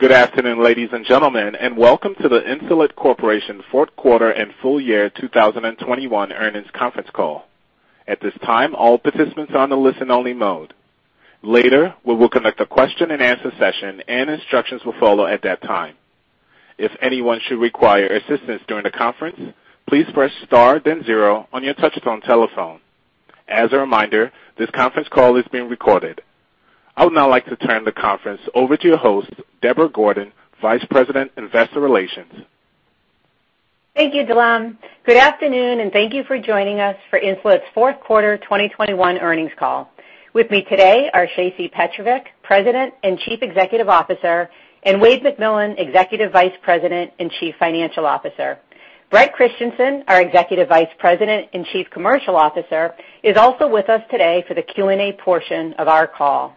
Good afternoon, ladies and gentlemen, and welcome to the Insulet Corporation Q4 and full year 2021 earnings conference call. At this time, all participants are on a listen only mode. Later, we will conduct a question-and-answer session, and instructions will follow at that time. If anyone should require assistance during the conference, please press star then zero on your touchtone telephone. As a reminder, this conference is being recorded. I would now like to turn the conference over to your host, Deborah Gordon, Vice President, Investor Relations. Thank you, Deborah Gordon. Good afternoon, and thank you for joining us for Insulet's Q4 2021 earnings call. With me today are Shacey Petrovic, President and Chief Executive Officer, and Wayde McMillan, Executive Vice President and Chief Financial Officer. Bret Christensen, our Executive Vice President and Chief Commercial Officer, is also with us today for the Q&A portion of our call.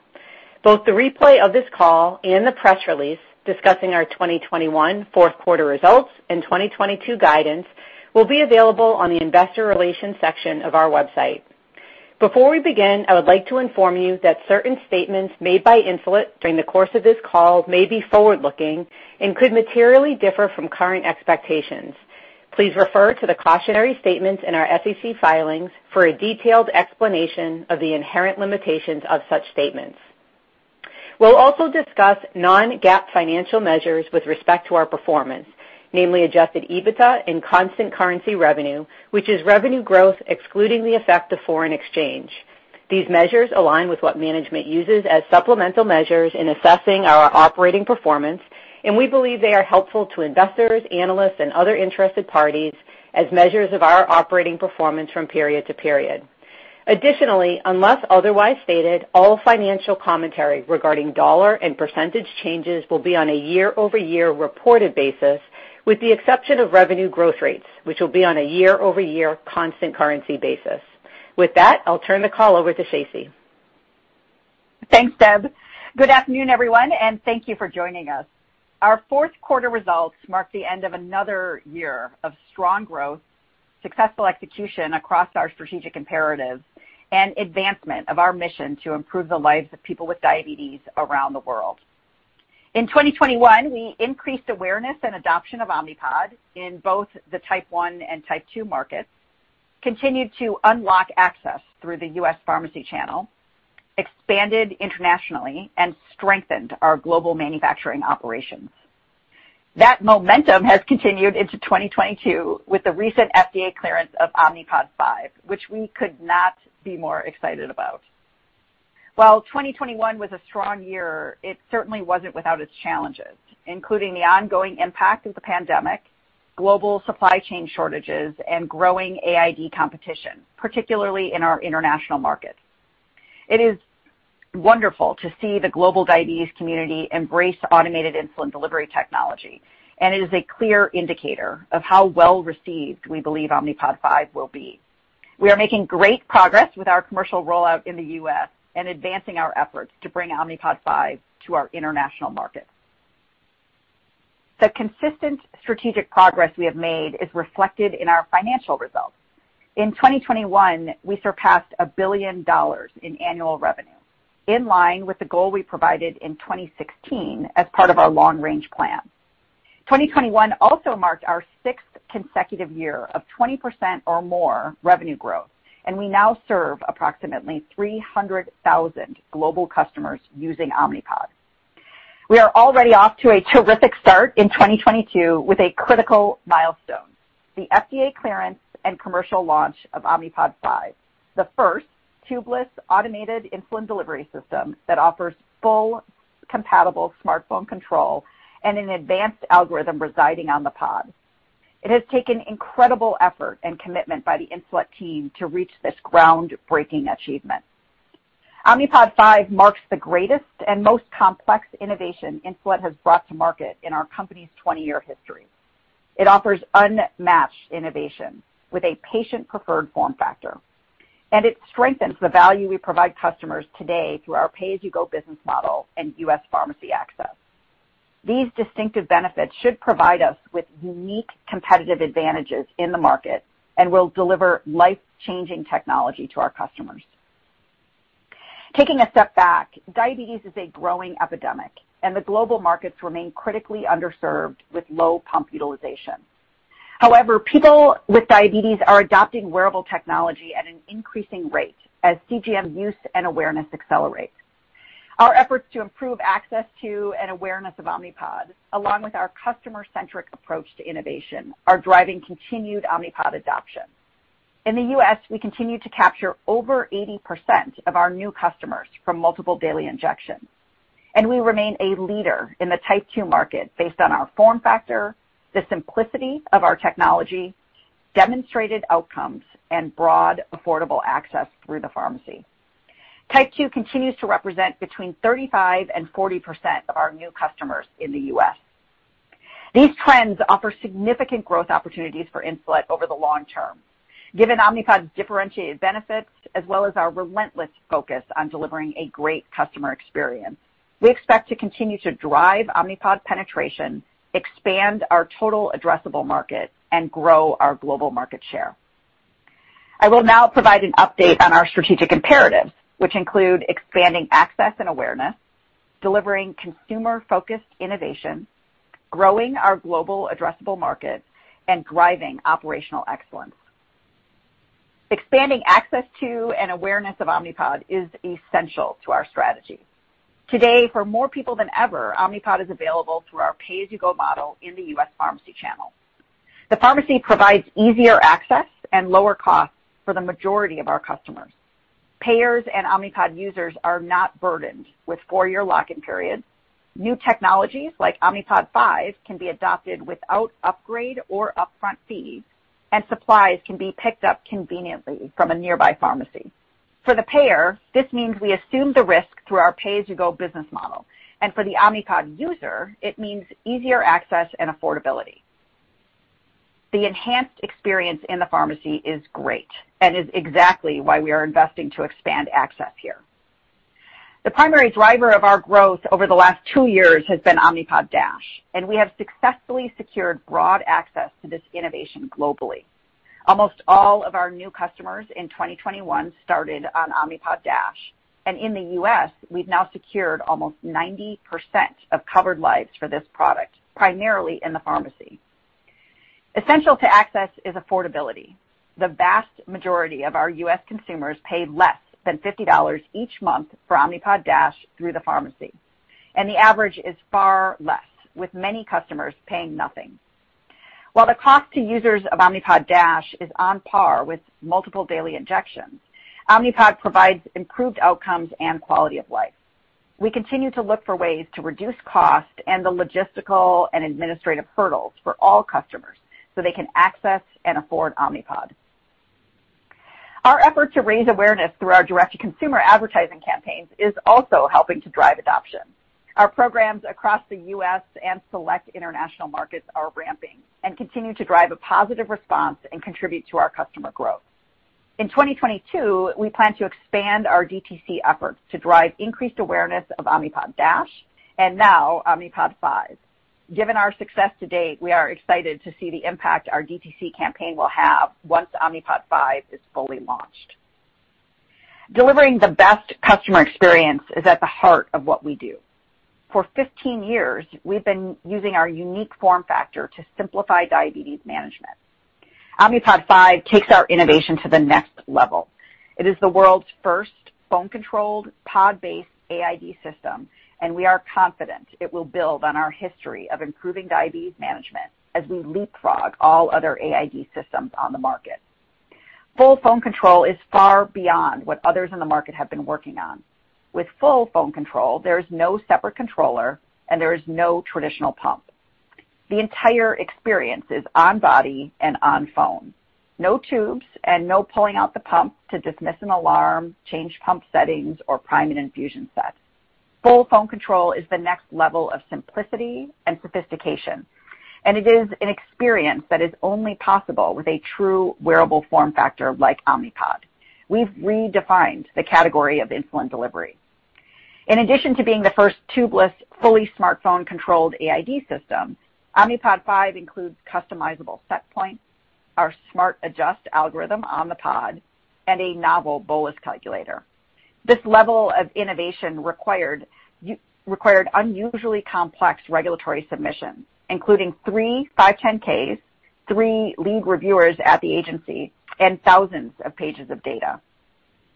Both the replay of this call and the press release discussing our 2021 Q4 results and 2022 guidance will be available on the investor relations section of our website. Before we begin, I would like to inform you that certain statements made by Insulet during the course of this call may be forward-looking and could materially differ from current expectations. Please refer to the cautionary statements in our SEC filings for a detailed explanation of the inherent limitations of such statements. We'll also discuss non-GAAP financial measures with respect to our performance, namely adjusted EBITDA and constant currency revenue, which is revenue growth excluding the effect of foreign exchange. These measures align with what management uses as supplemental measures in assessing our operating performance, and we believe they are helpful to investors, analysts, and other interested parties as measures of our operating performance from period to period. Additionally, unless otherwise stated, all financial commentary regarding dollar and percentage changes will be on a year-over-year reported basis, with the exception of revenue growth rates, which will be on a year-over-year constant currency basis. With that, I'll turn the call over to Shacey. Thanks, Deb. Good afternoon, everyone, and thank you for joining us. Our Q4 results mark the end of another year of strong growth, successful execution across our strategic imperatives, and advancement of our mission to improve the lives of people with diabetes around the world. In 2021, we increased awareness and adoption of Omnipod in both the type one and type two markets, continued to unlock access through the U.S. pharmacy channel, expanded internationally, and strengthened our global manufacturing operations. That momentum has continued into 2022 with the recent FDA clearance of Omnipod 5, which we could not be more excited about. While 2021 was a strong year, it certainly wasn't without its challenges, including the ongoing impact of the pandemic, global supply chain shortages, and growing AID competition, particularly in our international markets. It is wonderful to see the global diabetes community embrace automated insulin delivery technology, and it is a clear indicator of how well-received we believe Omnipod 5 will be. We are making great progress with our commercial rollout in the U.S. and advancing our efforts to bring Omnipod 5 to our international markets. The consistent strategic progress we have made is reflected in our financial results. In 2021, we surpassed $1 billion in annual revenue, in line with the goal we provided in 2016 as part of our long range plan. 2021 also marked our sixth consecutive year of 20% or more revenue growth, and we now serve approximately 300,000 global customers using Omnipod. We are already off to a terrific start in 2022 with a critical milestone, the FDA clearance and commercial launch of Omnipod 5, the first tubeless automated insulin delivery system that offers fully compatible smartphone control and an advanced algorithm residing on the pod. It has taken incredible effort and commitment by the Insulet team to reach this groundbreaking achievement. Omnipod 5 marks the greatest and most complex innovation Insulet has brought to market in our company's 20-year history. It offers unmatched innovation with a patient-preferred form factor, and it strengthens the value we provide customers today through our pay-as-you-go business model and U.S. pharmacy access. These distinctive benefits should provide us with unique competitive advantages in the market and will deliver life-changing technology to our customers. Taking a step back, diabetes is a growing epidemic and the global markets remain critically underserved with low pump utilization. However, people with diabetes are adopting wearable technology at an increasing rate as CGM use and awareness accelerates. Our efforts to improve access to and awareness of Omnipod, along with our customer-centric approach to innovation, are driving continued Omnipod adoption. In the U.S., we continue to capture over 80% of our new customers from multiple daily injections, and we remain a leader in the type two market based on our form factor, the simplicity of our technology, demonstrated outcomes, and broad, affordable access through the pharmacy. Type two continues to represent between 35% and 40% of our new customers in the U.S. These trends offer significant growth opportunities for Insulet over the long term. Given Omnipod's differentiated benefits as well as our relentless focus on delivering a great customer experience, we expect to continue to drive Omnipod penetration, expand our total addressable market, and grow our global market share. I will now provide an update on our strategic imperatives, which include expanding access and awareness, delivering consumer-focused innovation, growing our global addressable market, and driving operational excellence. Expanding access to and awareness of Omnipod is essential to our strategy. Today, for more people than ever, Omnipod is available through our pay-as-you-go model in the U.S. pharmacy channel. The pharmacy provides easier access and lower costs for the majority of our customers. Payers and Omnipod users are not burdened with four-year lock-in periods. New technologies like Omnipod 5 can be adopted without upgrade or upfront fees, and supplies can be picked up conveniently from a nearby pharmacy. For the payer, this means we assume the risk through our pay-as-you-go business model, and for the Omnipod user, it means easier access and affordability. The enhanced experience in the pharmacy is great and is exactly why we are investing to expand access here. The primary driver of our growth over the last two years has been Omnipod DASH, and we have successfully secured broad access to this innovation globally. Almost all of our new customers in 2021 started on Omnipod DASH, and in the U.S., we've now secured almost 90% of covered lives for this product, primarily in the pharmacy. Essential to access is affordability. The vast majority of our U.S. consumers pay less than $50 each month for Omnipod DASH through the pharmacy, and the average is far less, with many customers paying nothing. While the cost to users of Omnipod DASH is on par with multiple daily injections, Omnipod provides improved outcomes and quality of life. We continue to look for ways to reduce cost and the logistical and administrative hurdles for all customers so they can access and afford Omnipod. Our effort to raise awareness through our direct-to-consumer advertising campaigns is also helping to drive adoption. Our programs across the U.S. and select international markets are ramping and continue to drive a positive response and contribute to our customer growth. In 2022, we plan to expand our DTC efforts to drive increased awareness of Omnipod DASH and now Omnipod 5. Given our success to date, we are excited to see the impact our DTC campaign will have once Omnipod 5 is fully launched. Delivering the best customer experience is at the heart of what we do. For 15 years, we've been using our unique form factor to simplify diabetes management. Omnipod 5 takes our innovation to the next level. It is the world's first phone-controlled pod-based AID system, and we are confident it will build on our history of improving diabetes management as we leapfrog all other AID systems on the market. Full phone control is far beyond what others in the market have been working on. With full phone control, there is no separate controller, and there is no traditional pump. The entire experience is on body and on phone. No tubes and no pulling out the pump to dismiss an alarm, change pump settings or prime an infusion set. Full phone control is the next level of simplicity and sophistication, and it is an experience that is only possible with a true wearable form factor like Omnipod. We've redefined the category of insulin delivery. In addition to being the first tubeless, fully smartphone-controlled AID system, Omnipod 5 includes customizable set points, our SmartAdjust algorithm on the pod, and a novel bolus calculator. This level of innovation required unusually complex regulatory submissions, including three 510(k)s, three lead reviewers at the agency, and thousands of pages of data.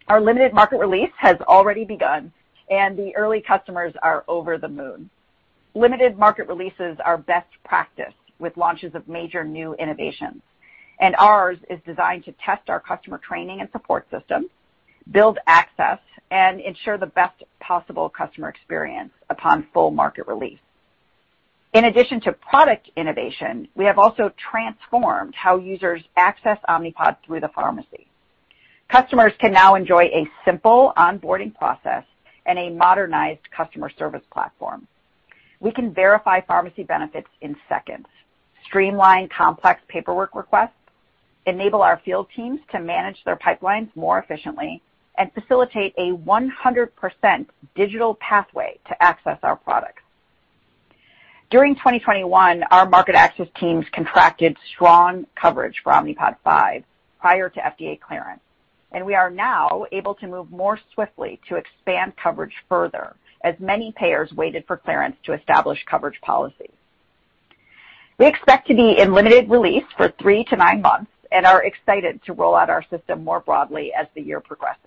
Our limited market release has already begun, and the early customers are over the moon. Limited market releases are best practice with launches of major new innovations, and ours is designed to test our customer training and support system, build access, and ensure the best possible customer experience upon full market release. In addition to product innovation, we have also transformed how users access Omnipod through the pharmacy. Customers can now enjoy a simple onboarding process and a modernized customer service platform. We can verify pharmacy benefits in seconds, streamline complex paperwork requests, enable our field teams to manage their pipelines more efficiently, and facilitate a 100% digital pathway to access our products. During 2021, our market access teams contracted strong coverage for Omnipod 5 prior to FDA clearance, and we are now able to move more swiftly to expand coverage further as many payers waited for clearance to establish coverage policies. We expect to be in limited release for three-nine months and are excited to roll out our system more broadly as the year progresses.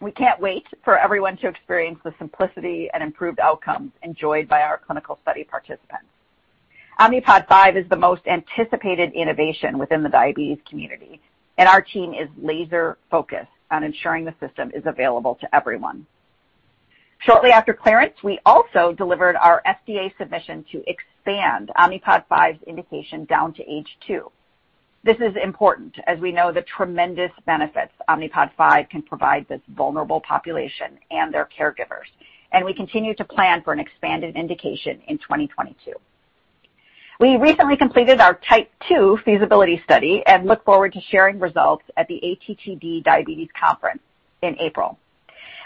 We can't wait for everyone to experience the simplicity and improved outcomes enjoyed by our clinical study participants. Omnipod 5 is the most anticipated innovation within the diabetes community, and our team is laser-focused on ensuring the system is available to everyone. Shortly after clearance, we also delivered our FDA submission to expand Omnipod 5's indication down to age two. This is important as we know the tremendous benefits Omnipod five can provide this vulnerable population and their caregivers, and we continue to plan for an expanded indication in 2022. We recently completed our type two feasibility study and look forward to sharing results at the ATTD Diabetes Conference in April.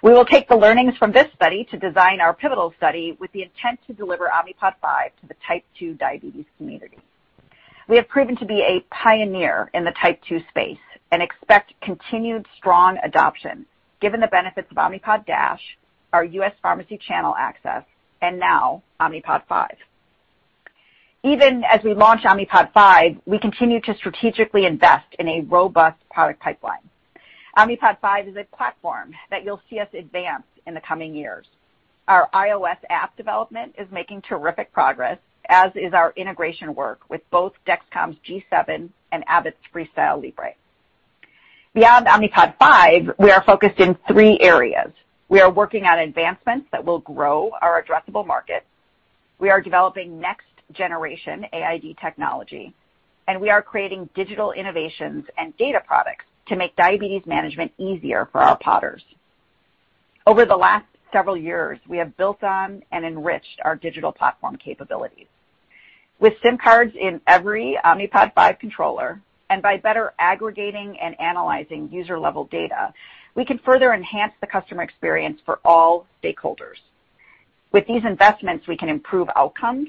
We will take the learnings from this study to design our pivotal study with the intent to deliver Omnipod 5 to the type 2 diabetes community. We have proven to be a pioneer in the type two space, and expect continued strong adoption given the benefits of Omnipod DASH, our U.S. pharmacy channel access, and now Omnipod 5. Even as we launch Omnipod 5, we continue to strategically invest in a robust product pipeline. Omnipod 5 is a platform that you'll see us advance in the coming years. Our iOS app development is making terrific progress, as is our integration work with both Dexcom's G7 and Abbott's FreeStyle Libre. Beyond Omnipod 5, we are focused in three areas. We are working on advancements that will grow our addressable market. We are developing next-generation AID technology, and we are creating digital innovations and data products to make diabetes management easier for our Podders. Over the last several years, we have built on and enriched our digital platform capabilities. With SIM cards in every Omnipod 5 controller, and by better aggregating and analyzing user-level data, we can further enhance the customer experience for all stakeholders. With these investments, we can improve outcomes,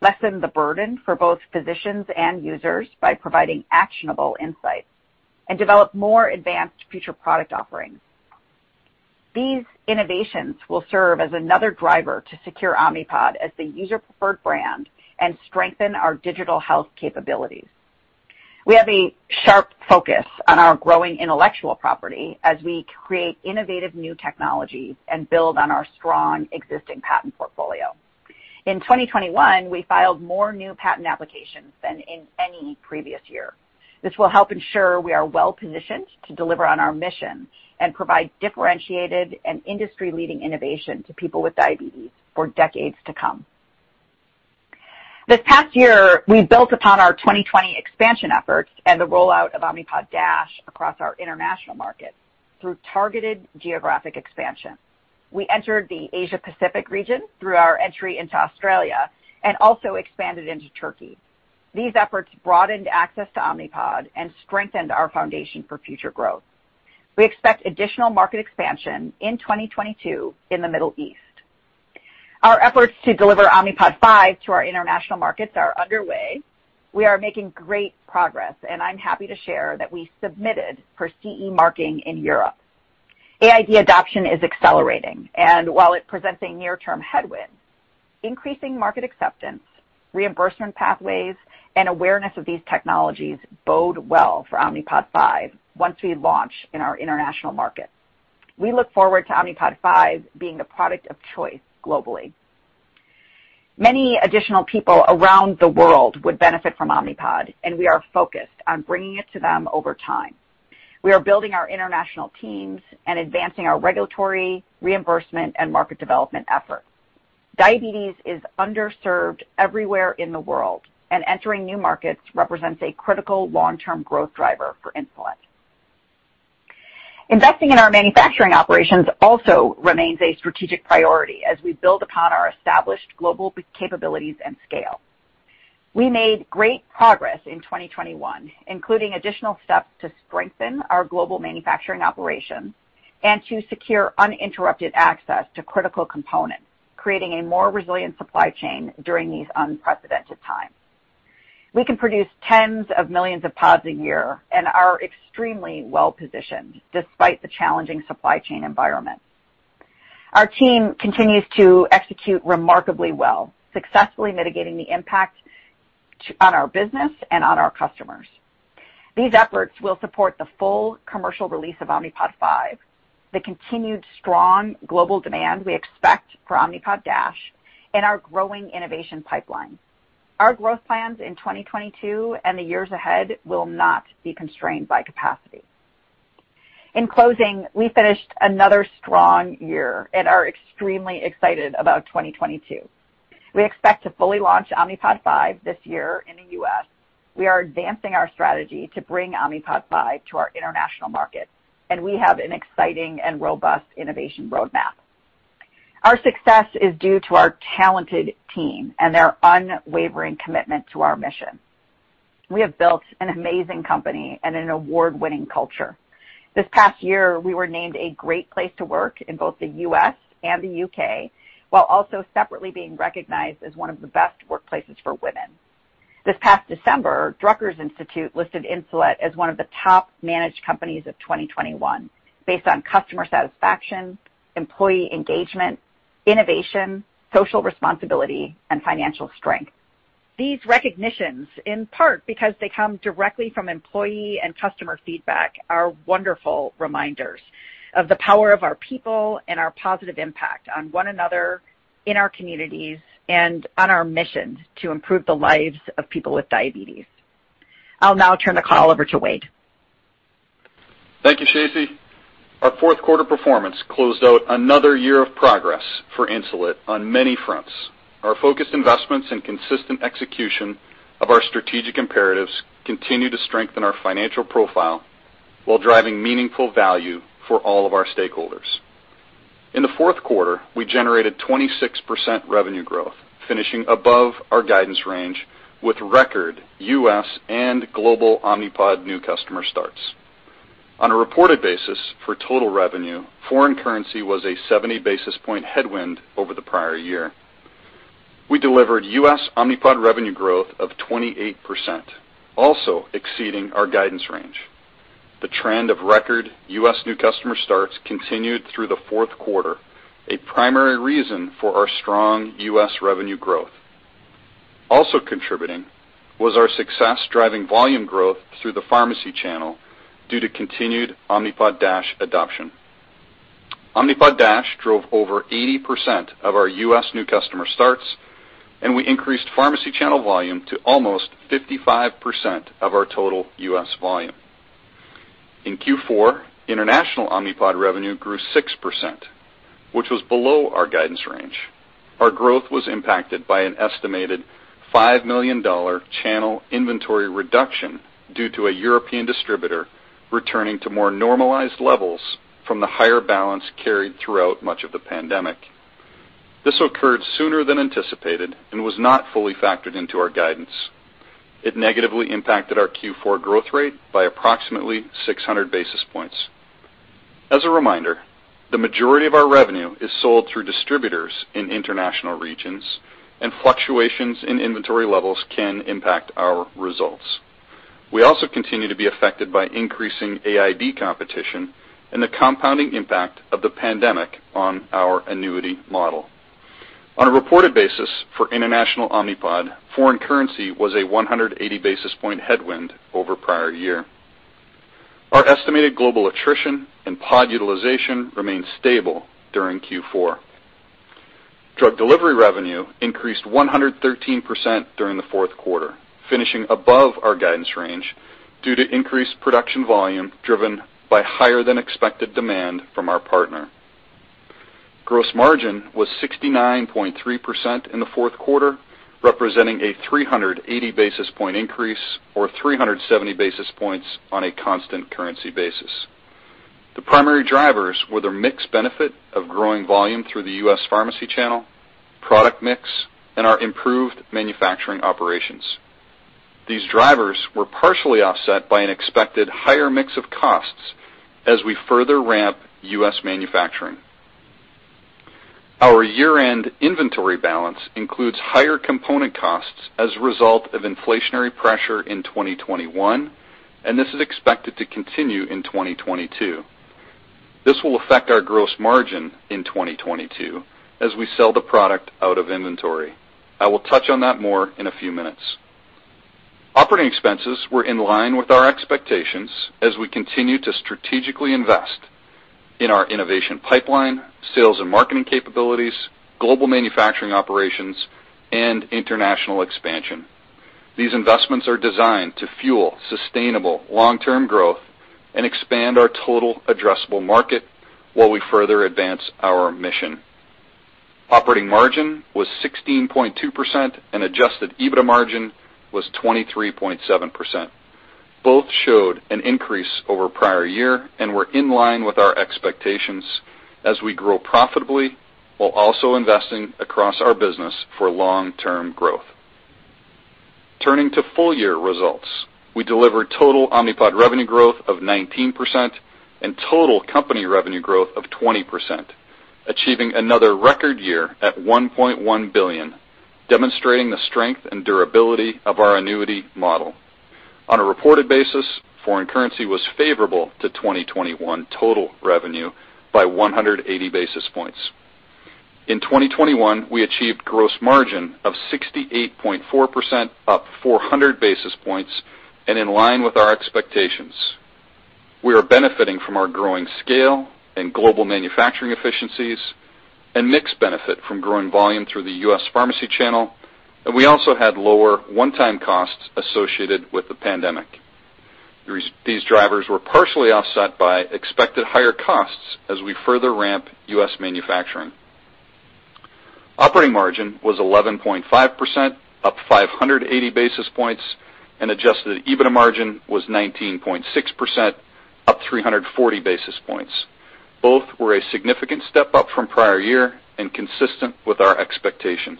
lessen the burden for both physicians and users by providing actionable insights, and develop more advanced future product offerings. These innovations will serve as another driver to secure Omnipod as the user preferred brand and strengthen our digital health capabilities. We have a sharp focus on our growing intellectual property as we create innovative new technologies and build on our strong existing patent portfolio. In 2021, we filed more new patent applications than in any previous year. This will help ensure we are well-positioned to deliver on our mission and provide differentiated and industry-leading innovation to people with diabetes for decades to come. This past year, we built upon our 2020 expansion efforts and the rollout of Omnipod DASH across our international markets through targeted geographic expansion. We entered the Asia Pacific region through our entry into Australia and also expanded into Turkey. These efforts broadened access to Omnipod and strengthened our foundation for future growth. We expect additional market expansion in 2022 in the Middle East. Our efforts to deliver Omnipod 5 to our international markets are underway. We are making great progress, and I'm happy to share that we submitted for CE marking in Europe. AID adoption is accelerating, and while it presents a near-term headwind, increasing market acceptance, reimbursement pathways, and awareness of these technologies bode well for Omnipod 5 once we launch in our international markets. We look forward to Omnipod 5 being the product of choice globally. Many additional people around the world would benefit from Omnipod, and we are focused on bringing it to them over time. We are building our international teams and advancing our regulatory reimbursement and market development efforts. Diabetes is underserved everywhere in the world, and entering new markets represents a critical long-term growth driver for Insulet. Investing in our manufacturing operations also remains a strategic priority as we build upon our established global capabilities and scale. We made great progress in 2021, including additional steps to strengthen our global manufacturing operations and to secure uninterrupted access to critical components, creating a more resilient supply chain during these unprecedented times. We can produce tens of millions of pods a year and are extremely well positioned despite the challenging supply chain environment. Our team continues to execute remarkably well, successfully mitigating the impact on our business and on our customers. These efforts will support the full commercial release of Omnipod 5, the continued strong global demand we expect for Omnipod DASH, and our growing innovation pipeline. Our growth plans in 2022 and the years ahead will not be constrained by capacity. In closing, we finished another strong year and are extremely excited about 2022. We expect to fully launch Omnipod 5 this year in the U.S. We are advancing our strategy to bring Omnipod 5 to our international market, and we have an exciting and robust innovation roadmap. Our success is due to our talented team and their unwavering commitment to our mission. We have built an amazing company and an award-winning culture. This past year, we were named a great place to work in both the U.S. and the U.K., while also separately being recognized as one of the best workplaces for women. This past December, Drucker Institute listed Insulet as one of the top managed companies of 2021 based on customer satisfaction, employee engagement, innovation, social responsibility, and financial strength. These recognitions, in part because they come directly from employee and customer feedback, are wonderful reminders of the power of our people and our positive impact on one another in our communities and on our mission to improve the lives of people with diabetes. I'll now turn the call over to Wayde. Thank you, Shacey. Our Q4 performance closed out another year of progress for Insulet on many fronts. Our focused investments and consistent execution of our strategic imperatives continue to strengthen our financial profile while driving meaningful value for all of our stakeholders. In the Q4, we generated 26% revenue growth, finishing above our guidance range with record U.S. and global Omnipod new customer starts. On a reported basis for total revenue, foreign currency was a 70 basis point headwind over the prior year. We delivered U.S. Omnipod revenue growth of 28%, also exceeding our guidance range. The trend of record U.S. new customer starts continued through the Q4, a primary reason for our strong U.S. revenue growth. Also contributing was our success driving volume growth through the pharmacy channel due to continued Omnipod DASH adoption. Omnipod DASH drove over 80% of our U.S. new customer starts, and we increased pharmacy channel volume to almost 55% of our total U.S. volume. In Q4, international Omnipod revenue grew 6%, which was below our guidance range. Our growth was impacted by an estimated $5 million channel inventory reduction due to a European distributor returning to more normalized levels from the higher balance carried throughout much of the pandemic. This occurred sooner than anticipated and was not fully factored into our guidance. It negatively impacted our Q4 growth rate by approximately 600 basis points. As a reminder, the majority of our revenue is sold through distributors in international regions, and fluctuations in inventory levels can impact our results. We also continue to be affected by increasing AID competition and the compounding impact of the pandemic on our annuity model. On a reported basis for international Omnipod, foreign currency was a 180 basis point headwind over prior year. Our estimated global attrition and pod utilization remained stable during Q4. Drug delivery revenue increased 113% during the Q4, finishing above our guidance range due to increased production volume driven by higher than expected demand from our partner. Gross margin was 69.3% in the Q4, representing a 380 basis point increase or 370 basis points on a constant currency basis. The primary drivers were the mix benefit of growing volume through the U.S. pharmacy channel, product mix, and our improved manufacturing operations. These drivers were partially offset by an expected higher mix of costs as we further ramp U.S. manufacturing. Our year-end inventory balance includes higher component costs as a result of inflationary pressure in 2021, and this is expected to continue in 2022. This will affect our gross margin in 2022 as we sell the product out of inventory. I will touch on that more in a few minutes. Operating expenses were in line with our expectations as we continue to strategically invest in our innovation pipeline, sales and marketing capabilities, global manufacturing operations, and international expansion. These investments are designed to fuel sustainable long-term growth and expand our total addressable market while we further advance our mission. Operating margin was 16.2% and adjusted EBITDA margin was 23.7%. Both showed an increase over prior year and were in line with our expectations as we grow profitably while also investing across our business for long-term growth. Turning to full-year results, we delivered total Omnipod revenue growth of 19% and total company revenue growth of 20%, achieving another record year at $1.1 billion, demonstrating the strength and durability of our annuity model. On a reported basis, foreign currency was favorable to 2021 total revenue by 180 basis points. In 2021, we achieved gross margin of 68.4%, up 400 basis points, and in line with our expectations. We are benefiting from our growing scale and global manufacturing efficiencies and mix benefit from growing volume through the U.S. pharmacy channel. We also had lower one-time costs associated with the pandemic. These drivers were partially offset by expected higher costs as we further ramp U.S. manufacturing. Operating margin was 11.5%, up 580 basis points, and adjusted EBITDA margin was 19.6%, up 340 basis points. Both were a significant step up from prior year and consistent with our expectations.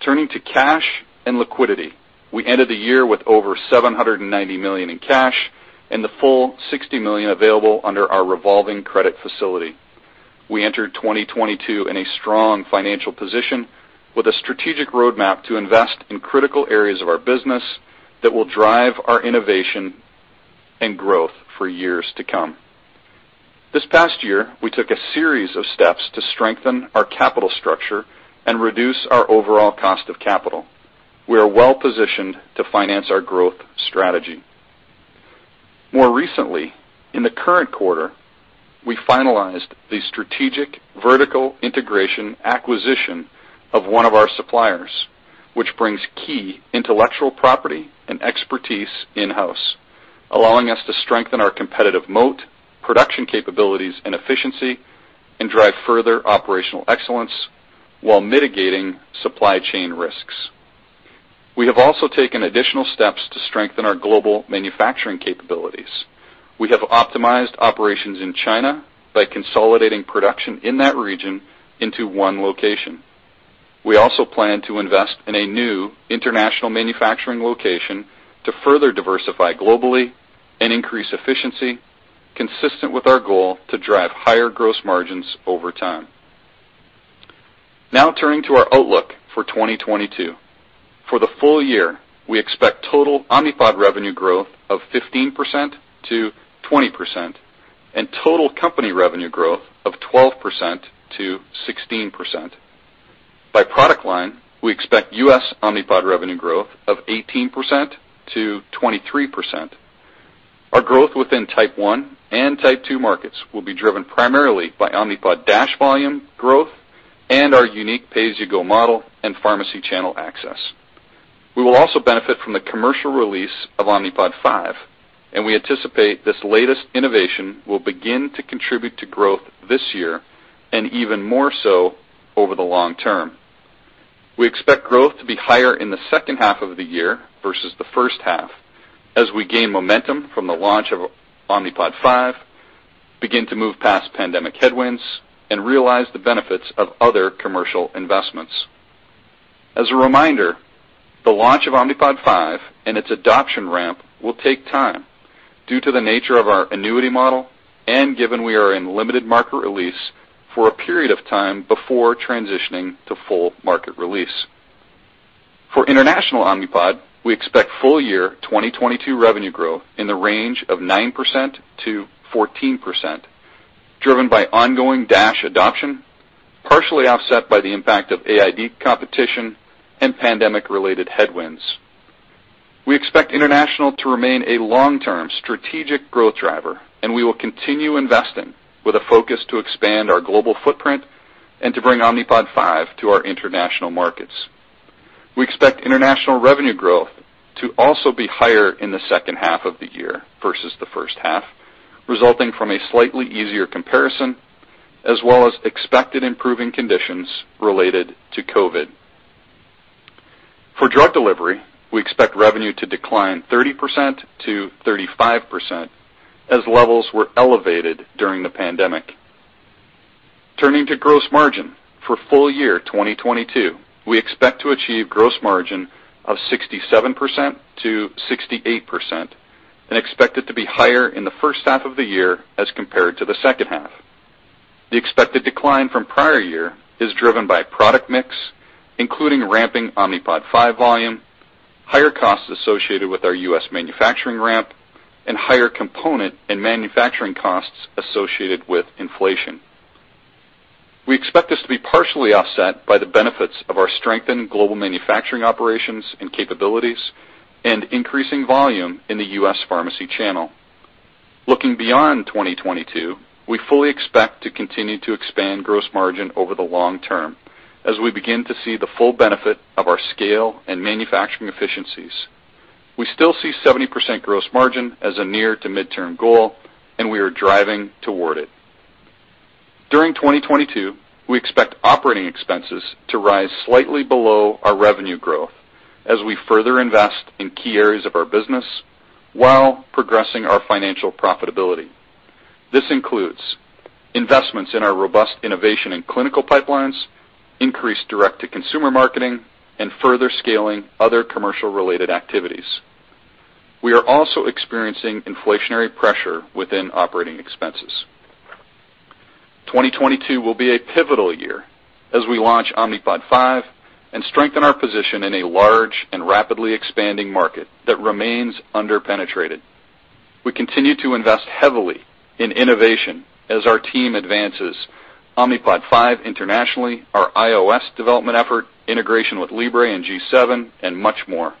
Turning to cash and liquidity, we ended the year with over $790 million in cash and the full $60 million available under our revolving credit facility. We entered 2022 in a strong financial position with a strategic roadmap to invest in critical areas of our business that will drive our innovation and growth for years to come. This past year, we took a series of steps to strengthen our capital structure and reduce our overall cost of capital. We are well-positioned to finance our growth strategy. More recently, in the current quarter, we finalized the strategic vertical integration acquisition of one of our suppliers, which brings key intellectual property and expertise in-house, allowing us to strengthen our competitive moat, production capabilities and efficiency, and drive further operational excellence while mitigating supply chain risks. We have also taken additional steps to strengthen our global manufacturing capabilities. We have optimized operations in China by consolidating production in that region into one location. We also plan to invest in a new international manufacturing location to further diversify globally and increase efficiency consistent with our goal to drive higher gross margins over time. Now turning to our outlook for 2022. For the full year, we expect total Omnipod revenue growth of 15%-20% and total company revenue growth of 12%-16%. By product line, we expect U.S. Omnipod revenue growth of 18%-23%. Our growth within Type one and Type two markets will be driven primarily by Omnipod DASH volume growth and our unique pay-as-you-go model and pharmacy channel access. We will also benefit from the commercial release of Omnipod 5, and we anticipate this latest innovation will begin to contribute to growth this year and even more so over the long term. We expect growth to be higher in the H2 of the year versus the H1 as we gain momentum from the launch of Omnipod 5, begin to move past pandemic headwinds and realize the benefits of other commercial investments. As a reminder, the launch of Omnipod 5 and its adoption ramp will take time due to the nature of our annuity model and given we are in limited market release for a period of time before transitioning to full market release. For international Omnipod, we expect full year 2022 revenue growth in the range of 9%-14%, driven by ongoing DASH adoption, partially offset by the impact of AID competition and pandemic-related headwinds. We expect international to remain a long-term strategic growth driver, and we will continue investing with a focus to expand our global footprint and to bring Omnipod 5 to our international markets. We expect international revenue growth to also be higher in the H2 of the year versus the H1, resulting from a slightly easier comparison as well as expected improving conditions related to COVID. For drug delivery, we expect revenue to decline 30%-35% as levels were elevated during the pandemic. Turning to gross margin. For full year 2022, we expect to achieve gross margin of 67%-68% and expect it to be higher in the H1 of the year as compared to the H2. The expected decline from prior year is driven by product mix, including ramping Omnipod 5 volume, higher costs associated with our U.S. manufacturing ramp and higher component and manufacturing costs associated with inflation. We expect this to be partially offset by the benefits of our strengthened global manufacturing operations and capabilities and increasing volume in the U.S. pharmacy channel. Looking beyond 2022, we fully expect to continue to expand gross margin over the long term as we begin to see the full benefit of our scale and manufacturing efficiencies. We still see 70% gross margin as a near- to mid-term goal, and we are driving toward it. During 2022, we expect operating expenses to rise slightly below our revenue growth as we further invest in key areas of our business while progressing our financial profitability. This includes investments in our robust innovation and clinical pipelines, increased direct-to-consumer marketing, and further scaling other commercial-related activities. We are also experiencing inflationary pressure within operating expenses. 2022 will be a pivotal year as we launch Omnipod 5 and strengthen our position in a large and rapidly expanding market that remains under-penetrated. We continue to invest heavily in innovation as our team advances Omnipod 5 internationally, our iOS development effort, integration with Libre and G7, and much more.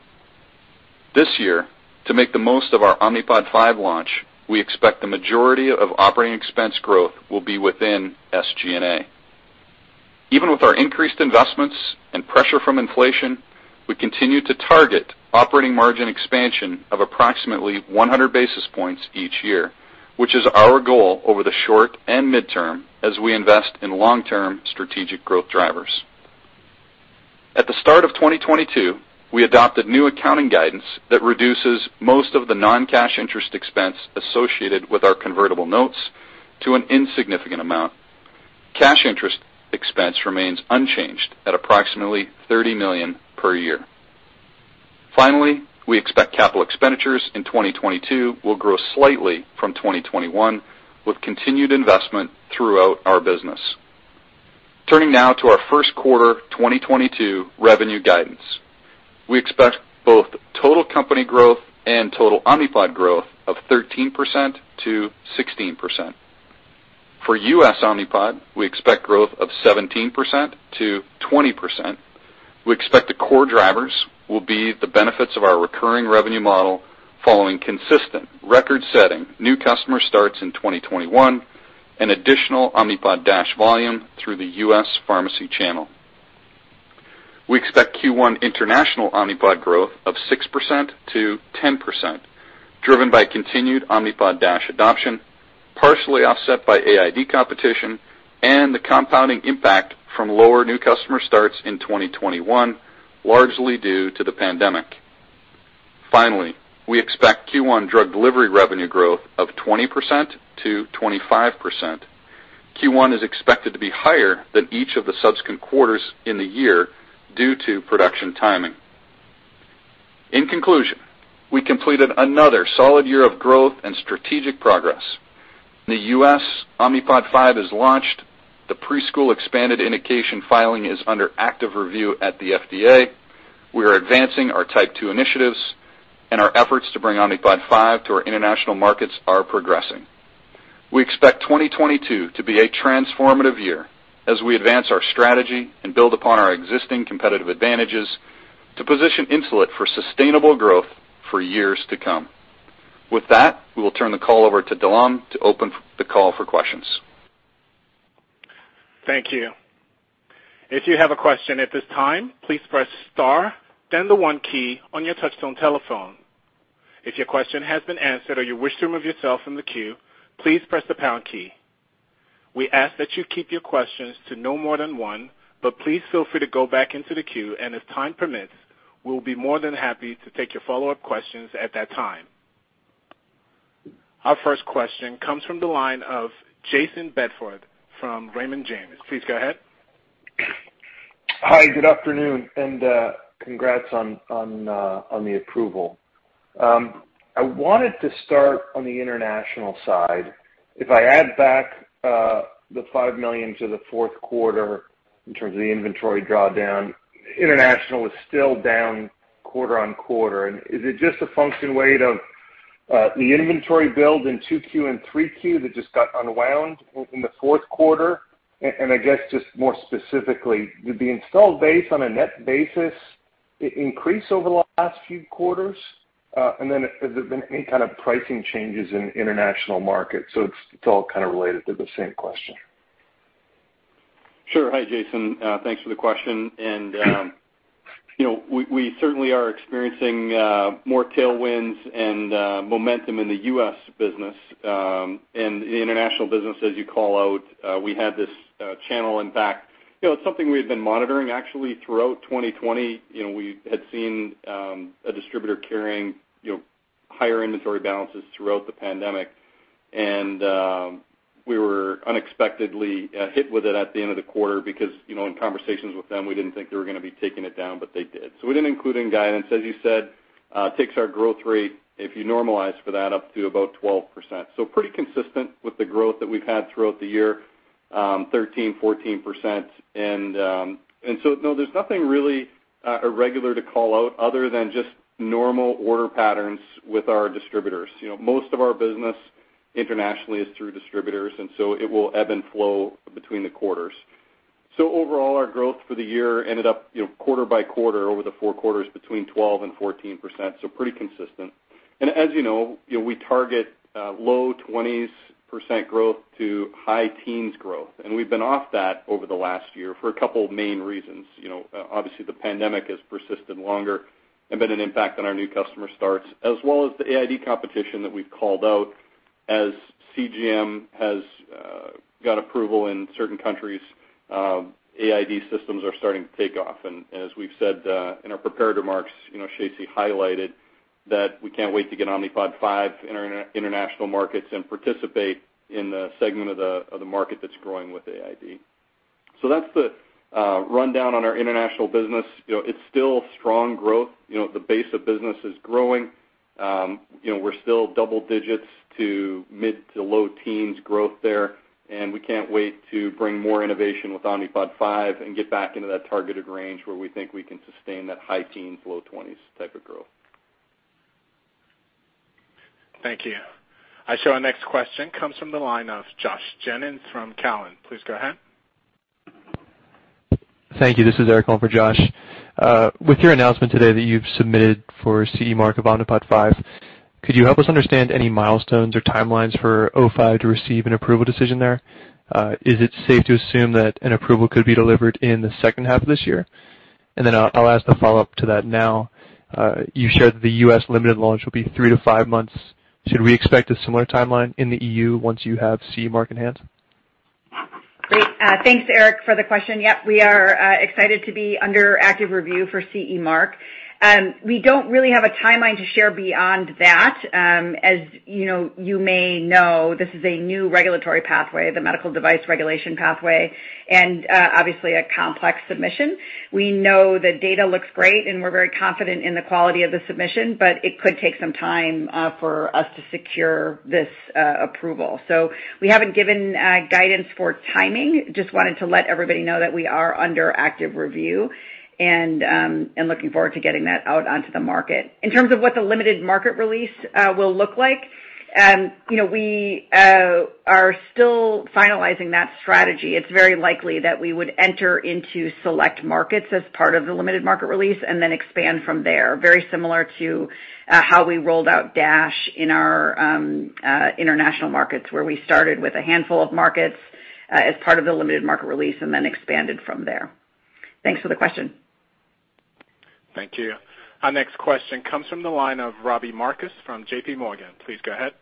This year, to make the most of our Omnipod 5 launch, we expect the majority of operating expense growth will be within SG&A. Even with our increased investments and pressure from inflation, we continue to target operating margin expansion of approximately 100 basis points each year, which is our goal over the short and midterm as we invest in long-term strategic growth drivers. At the start of 2022, we adopted new accounting guidance that reduces most of the non-cash interest expense associated with our convertible notes to an insignificant amount. Cash interest expense remains unchanged at approximately $30 million per year. Finally, we expect capital expenditures in 2022 will grow slightly from 2021, with continued investment throughout our business. Turning now to our Q1 2022 revenue guidance. We expect both total company growth and total Omnipod growth of 13%-16%. For U.S. Omnipod, we expect growth of 17%-20%. We expect the core drivers will be the benefits of our recurring revenue model following consistent record-setting new customer starts in 2021 and additional Omnipod DASH volume through the U.S. pharmacy channel. We expect Q1 international Omnipod growth of 6%-10%, driven by continued Omnipod DASH adoption. Partially offset by AID competition and the compounding impact from lower new customer starts in 2021, largely due to the pandemic. Finally, we expect Q1 drug delivery revenue growth of 20%-25%. Q1 is expected to be higher than each of the subsequent quarters in the year due to production timing. In conclusion, we completed another solid year of growth and strategic progress. The U.S. Omnipod 5 is launched. The preschool expanded indication filing is under active review at the FDA. We are advancing our type two initiatives, and our efforts to bring Omnipod 5 to our international markets are progressing. We expect 2022 to be a transformative year as we advance our strategy and build upon our existing competitive advantages to position Insulet for sustainable growth for years to come. With that, we will turn the call over to Diyam to open the call for questions. Thank you. If you have a question at this time, please press star, then the one key on your touchtone telephone. If your question has been answered or you wish to remove yourself from the queue, please press the pound key. We ask that you keep your questions to no more than one, but please feel free to go back into the queue. If time permits, we'll be more than happy to take your follow-up questions at that time. Our first question comes from the line of Jayson Bedford from Raymond James. Please go ahead. Hi, good afternoon, and congrats on the approval. I wanted to start on the international side. If I add back the $5 million to the Q4 in terms of the inventory drawdown, international is still down quarter-over-quarter. Is it just a function of the inventory build in 2Q and 3Q that just got unwound in the Q4? I guess just more specifically, did the installed base on a net basis increase over the last few quarters? Has there been any kind of pricing changes in international markets? It's all kind of related to the same question. Sure. Hi, Jayson. Thanks for the question. You know, we certainly are experiencing more tailwinds and momentum in the U.S. business. The international business, as you call out, we had this channel impact. You know, it's something we had been monitoring actually throughout 2020. You know, we had seen a distributor carrying you know, higher inventory balances throughout the pandemic. We were unexpectedly hit with it at the end of the quarter because, you know, in conversations with them, we didn't think they were gonna be taking it down, but they did. We didn't include in guidance. As you said, takes our growth rate, if you normalize for that, up to about 12%. Pretty consistent with the growth that we've had throughout the year, 13%, 14%. No, there's nothing really irregular to call out other than just normal order patterns with our distributors. You know, most of our business internationally is through distributors, and so it will ebb and flow between the quarters. Overall, our growth for the year ended up, you know, quarter by quarter over the four quarters between 12%-14%, so pretty consistent. As you know, you know, we target low 20s% growth to high teens percentage growth. We've been off that over the last year for a couple main reasons. You know, obviously the pandemic has persisted longer and been an impact on our new customer starts, as well as the AID competition that we've called out. As CGM has got approval in certain countries, AID systems are starting to take off. As we've said in our prepared remarks, you know, Shacey highlighted that we can't wait to get Omnipod 5 in our international markets and participate in the segment of the market that's growing with AID. That's the rundown on our international business. You know, it's still strong growth. You know, the base of business is growing. You know, we're still double-digit to mid- to low-teens growth there, and we can't wait to bring more innovation with Omnipod 5 and get back into that targeted range where we think we can sustain that high-teens, low-20s type of growth. Thank you. I show our next question comes from the line of Josh Jennings from Cowen. Please go ahead. Thank you. This is Eric calling for Josh. With your announcement today that you've submitted for CE Mark of Omnipod 5, could you help us understand any milestones or timelines for O five to receive an approval decision there? Is it safe to assume that an approval could be delivered in the H2 of this year? Then I'll ask the follow-up to that now. You shared the U.S. limited launch will be three-five months. Should we expect a similar timeline in the EU once you have CE Mark in hand? Great. Thanks, Eric, for the question. Yep, we are excited to be under active review for CE mark. We don't really have a timeline to share beyond that. As you know, this is a new regulatory pathway, the medical device regulation pathway, and obviously a complex submission. We know the data looks great, and we're very confident in the quality of the submission, but it could take some time for us to secure this approval. We haven't given guidance for timing. Just wanted to let everybody know that we are under active review and looking forward to getting that out onto the market. In terms of what the limited market release will look like, you know, we are still finalizing that strategy. It's very likely that we would enter into select markets as part of the limited market release and then expand from there. Very similar to how we rolled out DASH in our international markets, where we started with a handful of markets as part of the limited market release and then expanded from there. Thanks for the question. Thank you. Our next question comes from the line of Robbie Marcus from JPMorgan. Please go ahead.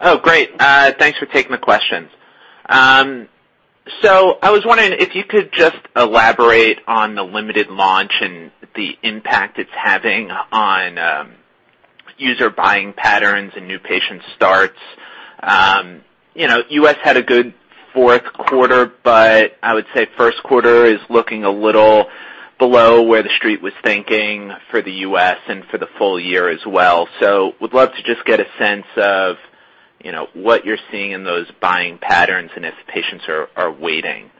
Oh, great. Thanks for taking the questions. So I was wondering if you could just elaborate on the limited launch and the impact it's having on user buying patterns and new patient starts. You know, U.S. had a good Q4, but I would say Q1 is looking a little below where the street was thinking for the U.S. and for the full year as well. Would love to just get a sense of what you're seeing in those buying patterns and if patients are waiting.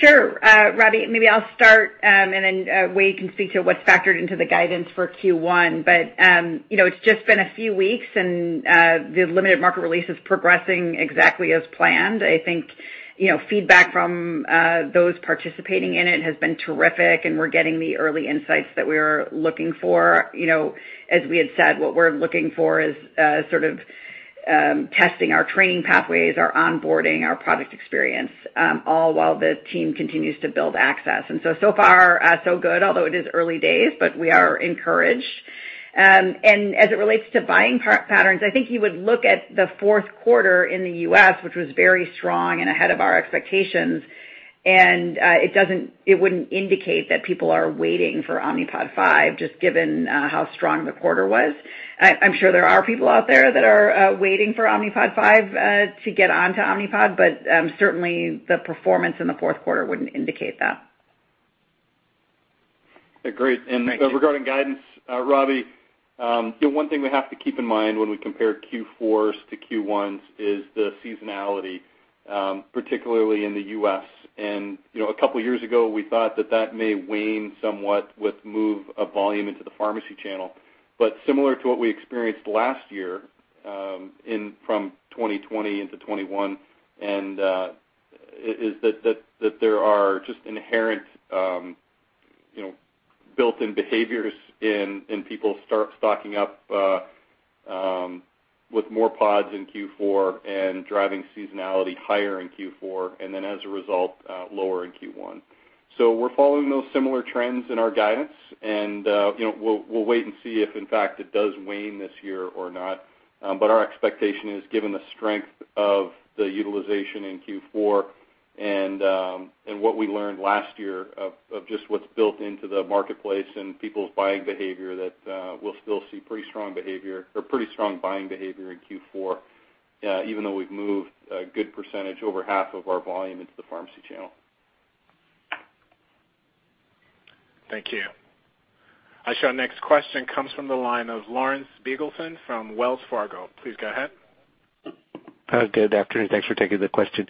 Sure. Robbie, maybe I'll start, and then, Wayde can speak to what's factored into the guidance for Q1. You know, it's just been a few weeks, and, the limited market release is progressing exactly as planned. I think, you know, feedback from, those participating in it has been terrific, and we're getting the early insights that we were looking for. You know, as we had said, what we're looking for is, sort of, testing our training pathways, our onboarding, our product experience, all while the team continues to build access. So far, so good, although it is early days, but we are encouraged. As it relates to buying patterns, I think you would look at the Q4 in the U.S., which was very strong and ahead of our expectations. It wouldn't indicate that people are waiting for Omnipod 5, just given how strong the quarter was. I'm sure there are people out there that are waiting for Omnipod 5 to get onto Omnipod, but certainly the performance in the Q4 wouldn't indicate that. Great. Regarding guidance, Robbie, the one thing we have to keep in mind when we compare Q4s to Q1s is the seasonality, particularly in the U.S. You know, a couple years ago, we thought that may wane somewhat with move of volume into the pharmacy channel. Similar to what we experienced last year in from 2020 into 2021 is that there are just inherent, you know, built-in behaviors in, and people start stocking up with more pods in Q4 and driving seasonality higher in Q4, and then as a result, lower in Q1. We're following those similar trends in our guidance, and, you know, we'll wait and see if in fact it does wane this year or not. Our expectation is given the strength of the utilization in Q4 and what we learned last year of just what's built into the marketplace and people's buying behavior, that we'll still see pretty strong behavior or pretty strong buying behavior in Q4, even though we've moved a good percentage over 1/2 of our volume into the pharmacy channel. Thank you. Our next question comes from the line of Larry Biegelsen from Wells Fargo. Please go ahead. Good afternoon. Thanks for taking the question.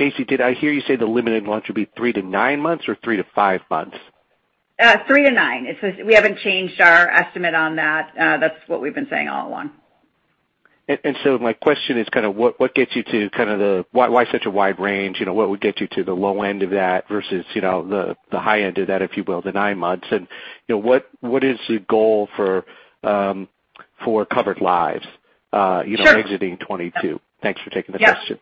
Shacey, did I hear you say the limited launch would be three-nine months or three-five months? three-nine. It's just we haven't changed our estimate on that. That's what we've been saying all along. my question is kinda what gets you to kind of why such a wide range? You know, what would get you to the low end of that versus, you know, the high end of that, if you will, the nine months? You know, what is your goal for covered lives? Sure. You know, exiting 2022? Thanks for taking the question.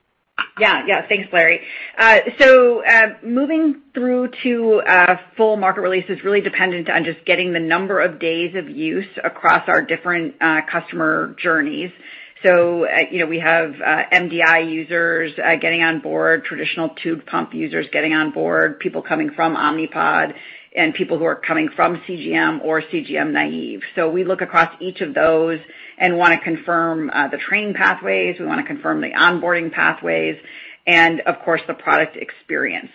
Yeah. Thanks, Larry. Moving through to full market release is really dependent on just getting the number of days of use across our different customer journeys. You know, we have MDI users getting on board, traditional tubed pump users getting on board, people coming from Omnipod, and people who are coming from CGM or CGM-naive. We look across each of those and wanna confirm the training pathways, we wanna confirm the onboarding pathways, and of course, the product experience.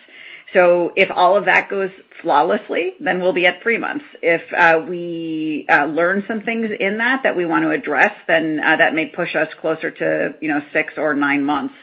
If all of that goes flawlessly, then we'll be at three months. If we learn some things in that that we want to address, then that may push us closer to, you know, six or nine months.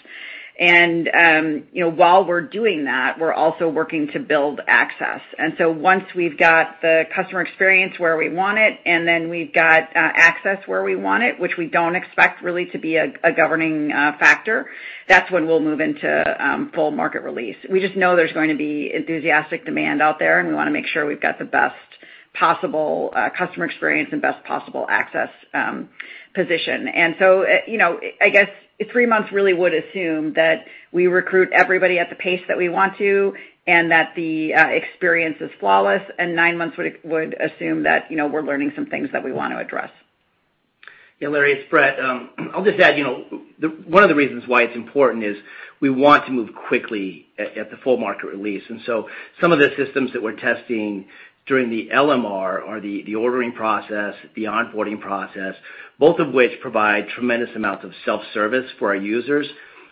You know, while we're doing that, we're also working to build access. Once we've got the customer experience where we want it, and then we've got access where we want it, which we don't expect really to be a governing factor, that's when we'll move into full market release. We just know there's going to be enthusiastic demand out there, and we wanna make sure we've got the best possible customer experience and best possible access position. You know, I guess three months really would assume that we recruit everybody at the pace that we want to, and that the experience is flawless, and nine months would assume that, you know, we're learning some things that we want to address. Yeah, Larry, it's Bret. I'll just add, you know, one of the reasons why it's important is we want to move quickly at the full market release. Some of the systems that we're testing during the LMR or the ordering process, the onboarding process, both of which provide tremendous amounts of self-service for our users.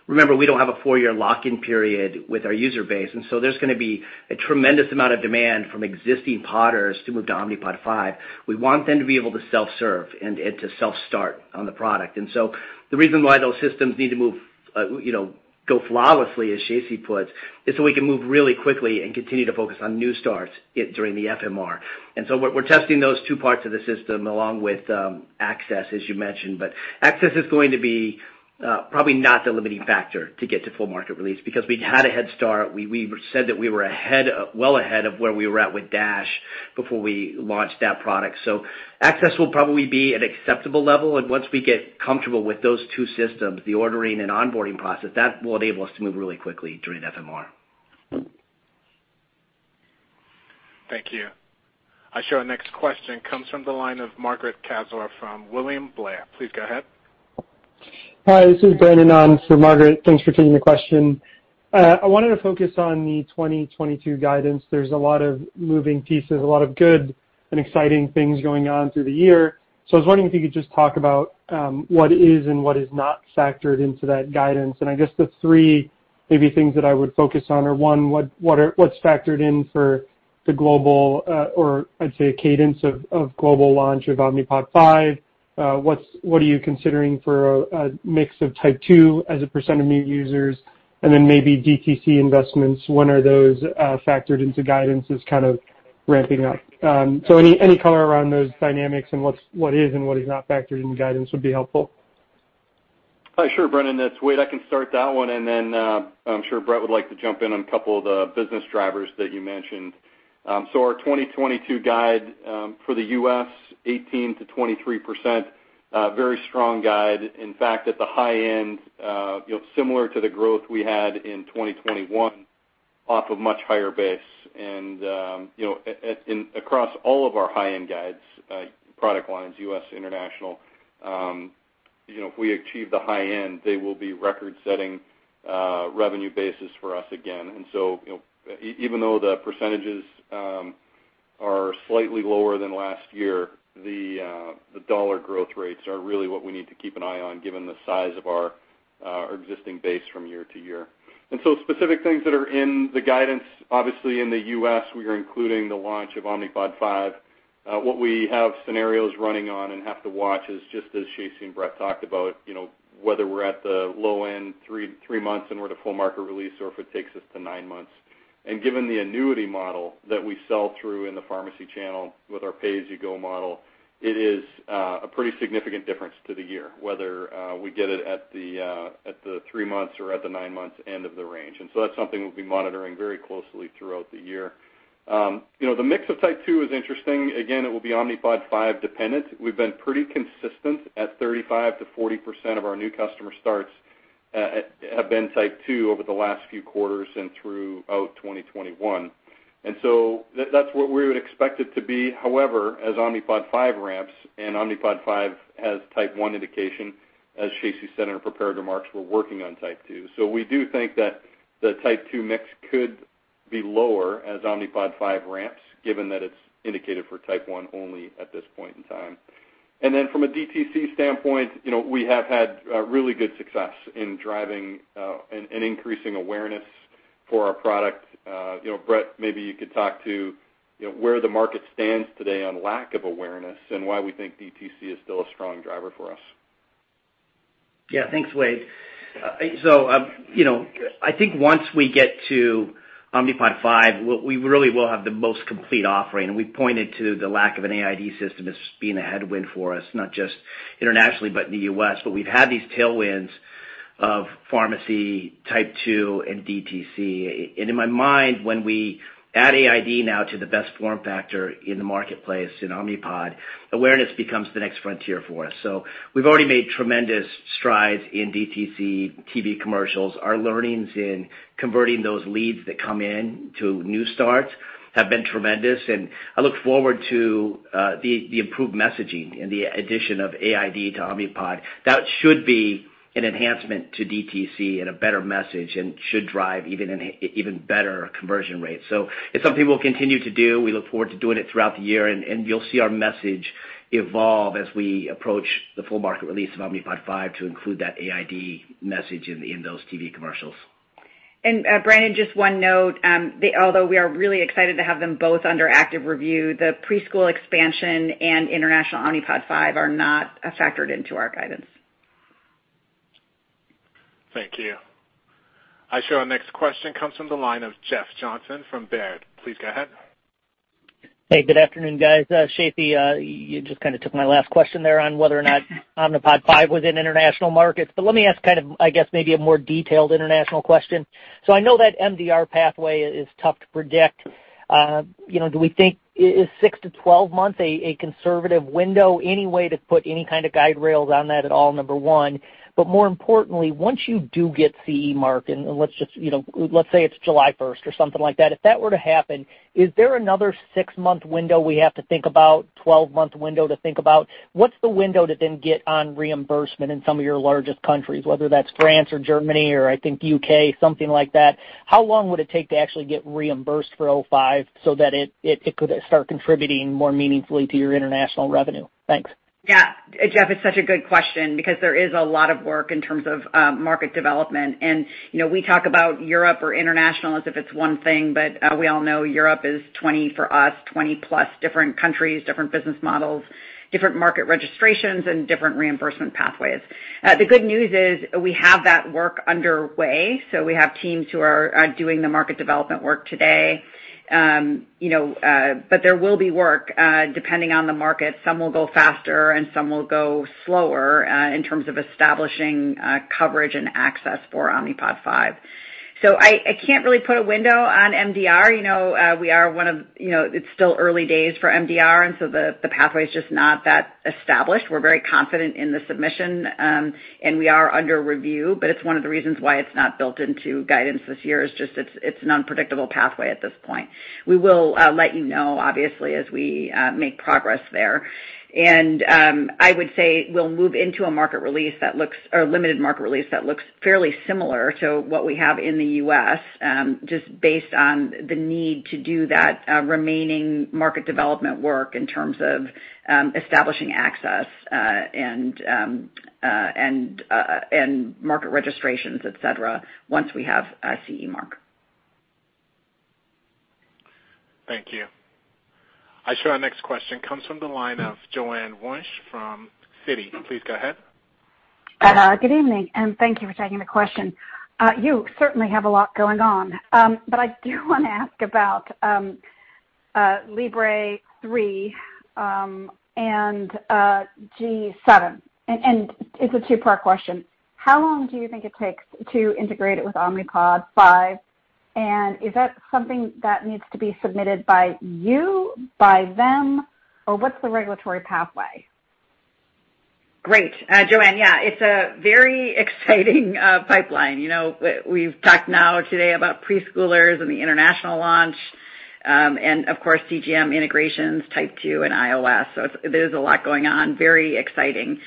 Remember, we don't have a four-year lock-in period with our user base, and so there's gonna be a tremendous amount of demand from existing Podders to move to Omnipod 5. We want them to be able to self-serve and to self-start on the product. The reason why those systems need to move, you know, go flawlessly, as Shacey puts, is so we can move really quickly and continue to focus on new starts during the FMR. We're testing those two parts of the system along with access, as you mentioned. Access is going to be probably not the limiting factor to get to full market release because we've had a head start. We said that we were well ahead of where we were at with DASH before we launch that product. Access will probably be at acceptable level. Once we get comfortable with those two systems, the ordering and onboarding process, that will enable us to move really quickly during FMR. Thank you. Our next question comes from the line of Margaret Kaczor from William Blair. Please go ahead. Hi, this is Brendan on for Margaret Kaczor. Thanks for taking the question. I wanted to focus on the 2022 guidance. There's a lot of moving pieces, a lot of good and exciting things going on through the year. I was wondering if you could just talk about what is and what is not factored into that guidance. I guess the three maybe things that I would focus on are, one, what's factored in for the global, or I'd say cadence of global launch of Omnipod 5? What are you considering for a mix of type two as a percent of new users? And then maybe DTC investments, when are those factored into guidance is kind of ramping up. Any color around those dynamics and what is and what is not factored in guidance would be helpful. Sure, Brendan. It's Wade. I can start that one, and then, I'm sure Brett would like to jump in on a couple of the business drivers that you mentioned. So our 2022 guide, for the U.S., 18%-23%, very strong guide. In fact, at the high end, you know, similar to the growth we had in 2021 off a much higher base. And across all of our high-end guides, product lines, U.S., international, you know, if we achieve the high end, they will be record-setting revenue basis for us again. You know, even though the percentages are slightly lower than last year, the dollar growth rates are really what we need to keep an eye on given the size of our existing base from year to year. Specific things that are in the guidance, obviously in the U.S., we are including the launch of Omnipod 5. What we have scenarios running on and have to watch is just as Shacey and Bret talked about, you know, whether we're at the low end, three months and we're at a full market release, or if it takes us to nine months. Given the annuity model that we sell through in the pharmacy channel with our pay-as-you-go model, it is a pretty significant difference to the year, whether we get it at the 3 months or at the 9 months end of the range. That's something we'll be monitoring very closely throughout the year. You know, the mix of type two is interesting. Again, it will be Omnipod 5 dependent. We've been pretty consistent at 35%-40% of our new customer starts have been type two over the last few quarters and throughout 2021. That's what we would expect it to be. However, as Omnipod 5 ramps and Omnipod 5 has type one indication, as Shacey said in her prepared remarks, we're working on type two. We do think that the type two mix could be lower as Omnipod 5 ramps, given that it's indicated for type one only at this point in time. From a DTC standpoint, you know, we have had really good success in driving in increasing awareness for our product. You know, Bret, maybe you could talk to, you know, where the market stands today on lack of awareness and why we think DTC is still a strong driver for us. Yeah. Thanks, Wade. So, you know, I think once we get to Omnipod 5, we really will have the most complete offering. We pointed to the lack of an AID system as being a headwind for us, not just internationally, but in the U.S. We've had these tailwinds of pharmacy, type two, and DTC. In my mind, when we add AID now to the best form factor in the marketplace in Omnipod, awareness becomes the next frontier for us. We've already made tremendous strides in DTC TV commercials. Our learnings in converting those leads that come in to new starts have been tremendous, and I look forward to the improved messaging and the addition of AID to Omnipod. That should be an enhancement to DTC and a better message, and should drive even a better conversion rate. It's something we'll continue to do. We look forward to doing it throughout the year, and you'll see our message evolve as we approach the full market release of Omnipod 5 to include that AID message in those TV commercials. Brendan, just one note. Although we are really excited to have them both under active review, the pediatric expansion and international Omnipod 5 are not factored into our guidance. Thank you. I show our next question comes from the line of Jeff Johnson from Baird. Please go ahead. Hey, good afternoon, guys. Shacey, you just kinda took my last question there on whether or not Omnipod 5 was in international markets. Let me ask kind of, I guess, maybe a more detailed international question. I know that MDR pathway is tough to predict. You know, do we think is six-12 months a conservative window? Any way to put any kind of guide rails on that at all, number one. More importantly, once you do get CE mark, and let's just, you know, let's say it's July first or something like that, if that were to happen, is there another six-month window we have to think about, 12-month window to think about? What's the window to then get on reimbursement in some of your largest countries, whether that's France or Germany or I think U.K., something like that? How long would it take to actually get reimbursed for Omnipod 5 so that it could start contributing more meaningfully to your international revenue? Thanks. Yeah. Jeff, it's such a good question because there is a lot of work in terms of market development. You know, we talk about Europe or international as if it's one thing, but we all know Europe is 27 for us, 27+ different countries, different business models, different market registrations, and different reimbursement pathways. The good news is we have that work underway, so we have teams who are doing the market development work today. You know, but there will be work depending on the market. Some will go faster and some will go slower in terms of establishing coverage and access for Omnipod 5. I can't really put a window on MDR. You know, we are one of you know, it's still early days for MDR, and so the pathway is just not that established. We're very confident in the submission, and we are under review. It's one of the reasons why it's not built into guidance this year is just it's an unpredictable pathway at this point. We will let you know, obviously, as we make progress there. I would say we'll move into a market release or limited market release that looks fairly similar to what we have in the U.S., just based on the need to do that remaining market development work in terms of establishing access and market registrations, et cetera, once we have a CE mark. Thank you. Our next question comes from the line of Joanne Wuensch from Citi. Please go ahead. Good evening, and thank you for taking the question. You certainly have a lot going on. But I do wanna ask about Libre 3 and G7. It's a two-part question. How long do you think it takes to integrate it with Omnipod 5? Is that something that needs to be submitted by you, by them, or what's the regulatory pathway? Great. Joanne, yeah, it's a very exciting pipeline. You know, we've talked now today about preschoolers and the international launch, and of course, CGM integrations, type 2 and iOS. There's a lot going on. Very exciting.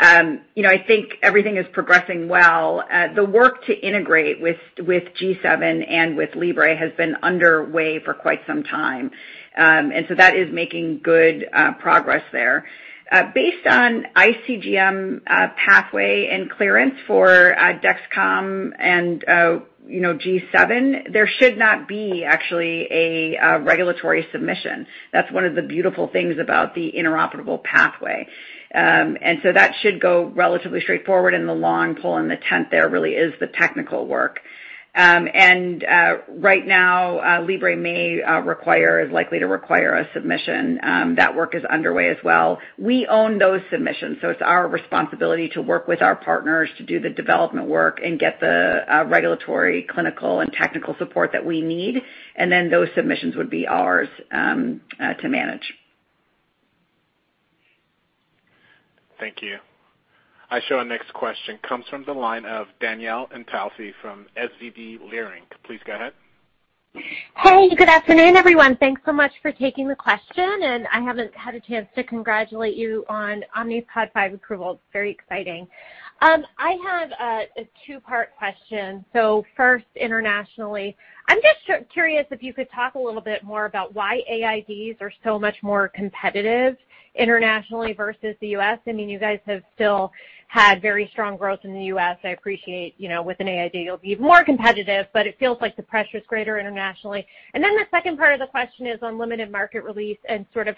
You know, I think everything is progressing well. The work to integrate with G7 and with Libre has been underway for quite some time. That is making good progress there. Based on iCGM pathway and clearance for Dexcom and, you know, G7, there should not be actually a regulatory submission. That's one of the beautiful things about the interoperable pathway. That should go relatively straightforward in the long run, and the intent there really is the technical work. Right now, Libre is likely to require a submission. That work is underway as well. We own those submissions, so it's our responsibility to work with our partners to do the development work and get the regulatory, clinical, and technical support that we need, and then those submissions would be ours to manage. Thank you. I show our next question comes from the line of Danielle Antalffy from SVB Leerink. Please go ahead. Hey, good afternoon, everyone. Thanks so much for taking the question, and I haven't had a chance to congratulate you on Omnipod 5 approval. It's very exciting. I have a two-part question. First, internationally, I'm just curious if you could talk a little bit more about why AIDs are so much more competitive internationally versus the U.S. I mean, you guys have still had very strong growth in the U.S. I appreciate, you know, with an AID, you'll be more competitive, but it feels like the pressure is greater internationally. The second part of the question is on limited market release and sort of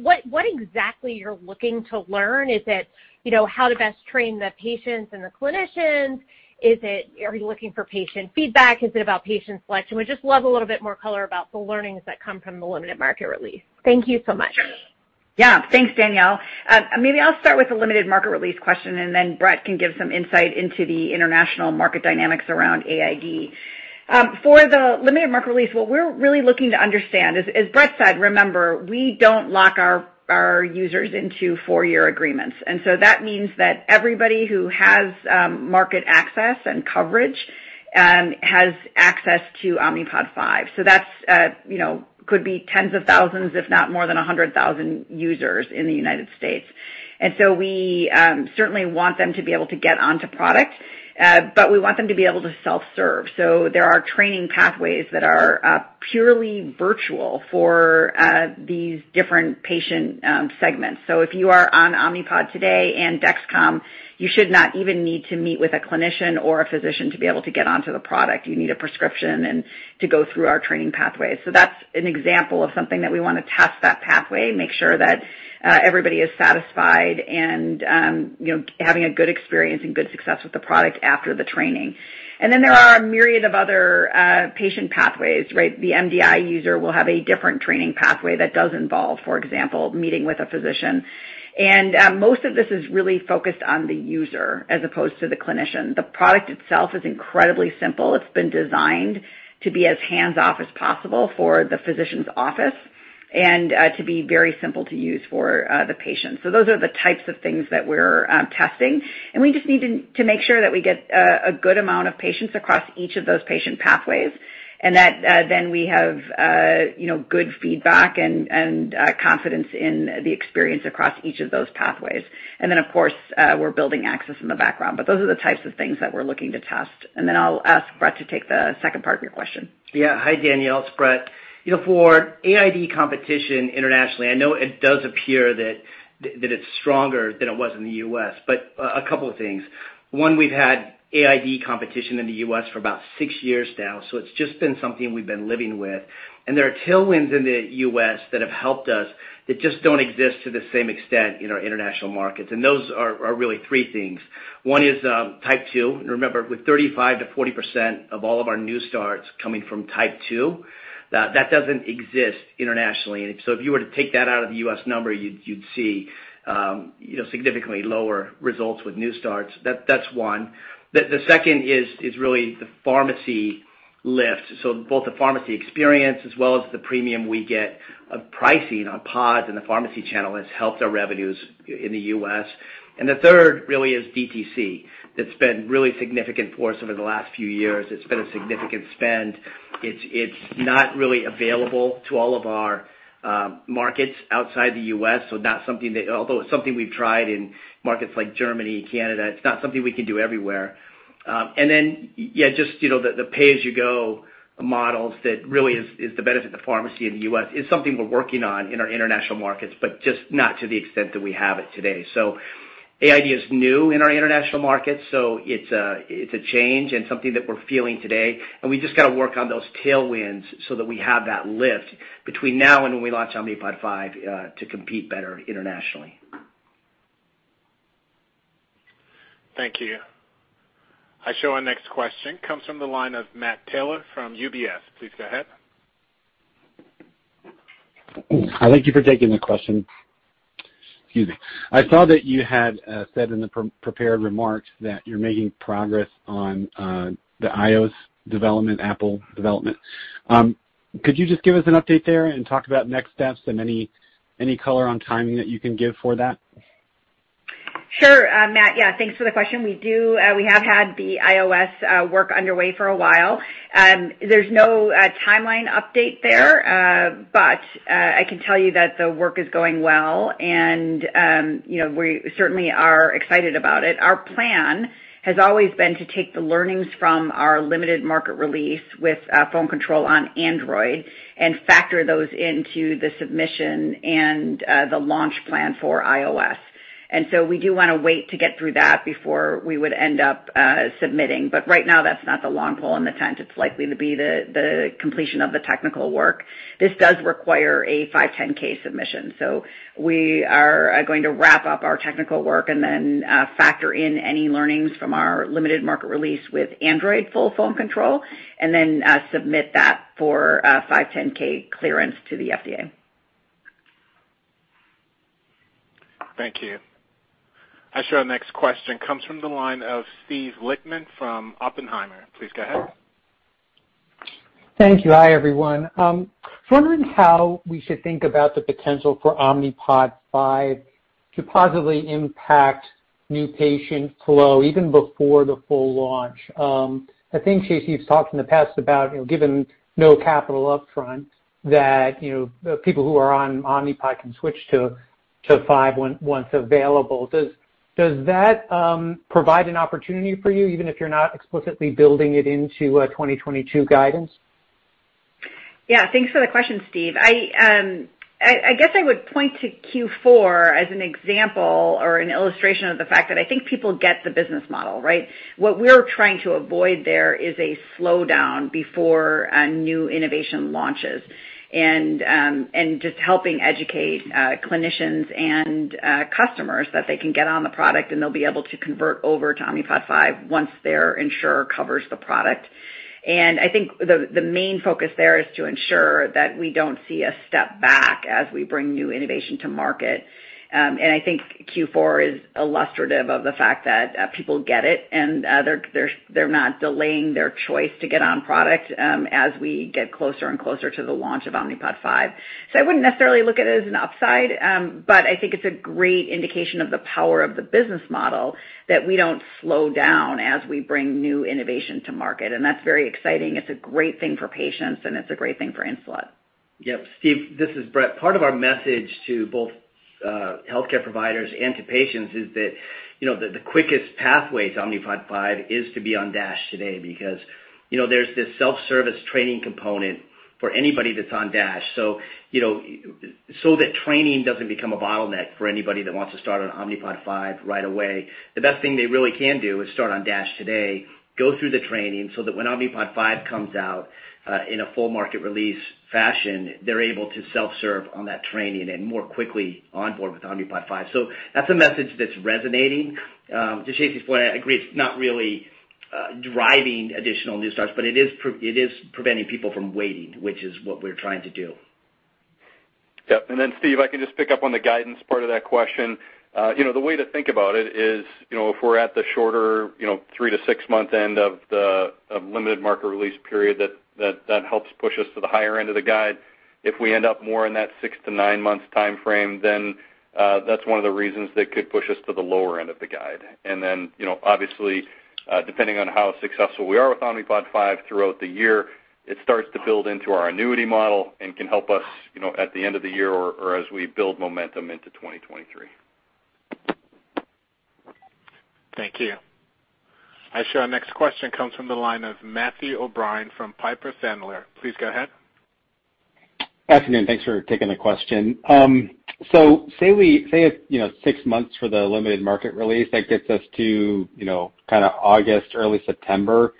what exactly you're looking to learn. Is it, you know, how to best train the patients and the clinicians? Is it are you looking for patient feedback? Is it about patient selection? We just love a little bit more color about the learnings that come from the limited market release. Thank you so much. Yeah. Thanks, Danielle. Maybe I'll start with the limited market release question, and then Bret can give some insight into the international market dynamics around AID. For the limited market release, what we're really looking to understand is, as Bret said, remember, we don't lock our users into four-year agreements. That means that everybody who has market access and coverage has access to Omnipod 5. That's, you know, could be tens of thousands, if not more than 100,000 users in the United States. We certainly want them to be able to get onto product, but we want them to be able to self-serve. There are training pathways that are purely virtual for these different patient segments. If you are on Omnipod today and Dexcom, you should not even need to meet with a clinician or a physician to be able to get onto the product. You need a prescription and to go through our training pathways. That's an example of something that we wanna test that pathway, make sure that, everybody is satisfied and, you know, having a good experience and good success with the product after the training. Then there are a myriad of other, patient pathways, right? The MDI user will have a different training pathway that does involve, for example, meeting with a physician. Most of this is really focused on the user as opposed to the clinician. The product itself is incredibly simple. It's been designed to be as hands-off as possible for the physician's office and to be very simple to use for the patient. Those are the types of things that we're testing, and we just need to make sure that we get a good amount of patients across each of those patient pathways and that then we have you know good feedback and confidence in the experience across each of those pathways. Of course, we're building access in the background, but those are the types of things that we're looking to test. I'll ask Bret to take the second part of your question. Yeah. Hi, Danielle. It's Bret. You know, for AID competition internationally, I know it does appear that it's stronger than it was in the U.S., but a couple of things. One, we've had AID competition in the U.S. for about six years now, so it's just been something we've been living with. There are tailwinds in the U.S. that have helped us that just don't exist to the same extent in our international markets, and those are really three things. One is type two. Remember, with 35%-40% of all of our new starts coming from type two. That doesn't exist internationally. If you were to take that out of the U.S. number, you'd see significantly lower results with new starts. That's one. The second is really the pharmacy lift. Both the pharmacy experience as well as the premium we get of pricing on pods in the pharmacy channel has helped our revenues in the U.S. The third really is DTC. That's been really significant for us over the last few years. It's been a significant spend. It's not really available to all of our markets outside the U.S., so although it's something we've tried in markets like Germany, Canada, it's not something we can do everywhere. You know, the pay-as-you-go models that really is the benefit of the pharmacy in the U.S. is something we're working on in our international markets, but just not to the extent that we have it today. AID is new in our international markets, so it's a change and something that we're feeling today. We just gotta work on those tailwinds so that we have that lift between now and when we launch Omnipod 5 to compete better internationally. Thank you. Our next question comes from the line of Matt Taylor from UBS. Please go ahead. Hi. Thank you for taking the question. Excuse me. I saw that you had said in the pre-prepared remarks that you're making progress on the iOS development, Apple development. Could you just give us an update there and talk about next steps and any color on timing that you can give for that? Sure. Matt. Yeah, thanks for the question. We have had the iOS work underway for a while. There's no timeline update there. But I can tell you that the work is going well, and you know, we certainly are excited about it. Our plan has always been to take the learnings from our limited market release with phone control on Android and factor those into the submission and the launch plan for iOS. We do wanna wait to get through that before we would end up submitting. But right now, that's not the long pole in the tent. It's likely to be the completion of the technical work. This does require a 510(k) submission. We are going to wrap up our technical work and then factor in any learnings from our limited market release with Android full phone control, and then submit that for a 510(k) clearance to the FDA. Thank you. Our next question comes from the line of Steve Lichtman from Oppenheimer. Please go ahead. Thank you. Hi, everyone. I'm wondering how we should think about the potential for Omnipod 5 to positively impact new patient flow even before the full launch. I think Shacey’s talked in the past about, you know, given no capital upfront that, you know, people who are on Omnipod can switch to five once available. Does that provide an opportunity for you even if you're not explicitly building it into 2022 guidance? Yeah. Thanks for the question, Steve. I guess I would point to Q4 as an example or an illustration of the fact that I think people get the business model, right? What we're trying to avoid there is a slowdown before a new innovation launches, just helping educate clinicians and customers that they can get on the product and they'll be able to convert over to Omnipod 5 once their insurer covers the product. I think the main focus there is to ensure that we don't see a step back as we bring new innovation to market. I think Q4 is illustrative of the fact that people get it, and they're not delaying their choice to get on product as we get closer and closer to the launch of Omnipod 5. I wouldn't necessarily look at it as an upside, but I think it's a great indication of the power of the business model that we don't slow down as we bring new innovation to market, and that's very exciting. It's a great thing for patients, and it's a great thing for Insulet. Yep. Steve, this is Bret. Part of our message to both healthcare providers and to patients is that, you know, the quickest pathway to Omnipod 5 is to be on Dash today because, you know, there's this self-service training component for anybody that's on Dash. So, you know, so that training doesn't become a bottleneck for anybody that wants to start on Omnipod 5 right away. The best thing they really can do is start on Dash today, go through the training so that when Omnipod 5 comes out in a full market release fashion, they're able to self-serve on that training and more quickly onboard with Omnipod 5. So that's a message that's resonating. To Shacey's point, I agree, it's not really driving additional new starts, but it is preventing people from waiting, which is what we're trying to do. Yep. Steve, if I could just pick up on the guidance part of that question. You know, the way to think about it is, you know, if we're at the shorter, you know, three- to six-month end of limited market release period, that helps push us to the higher end of the guide. If we end up more in that six- to nine-month timeframe, that's one of the reasons that could push us to the lower end of the guide. You know, obviously, depending on how successful we are with Omnipod 5 throughout the year, it starts to build into our annuity model and can help us, you know, at the end of the year or as we build momentum into 2023. Thank you. Our next question comes from the line of Matthew O'Brien from Piper Sandler. Please go ahead. Good afternoon. Thanks for taking the question. Say it, you know, 6 months for the limited market release, that gets us to, you know, kinda August, early September.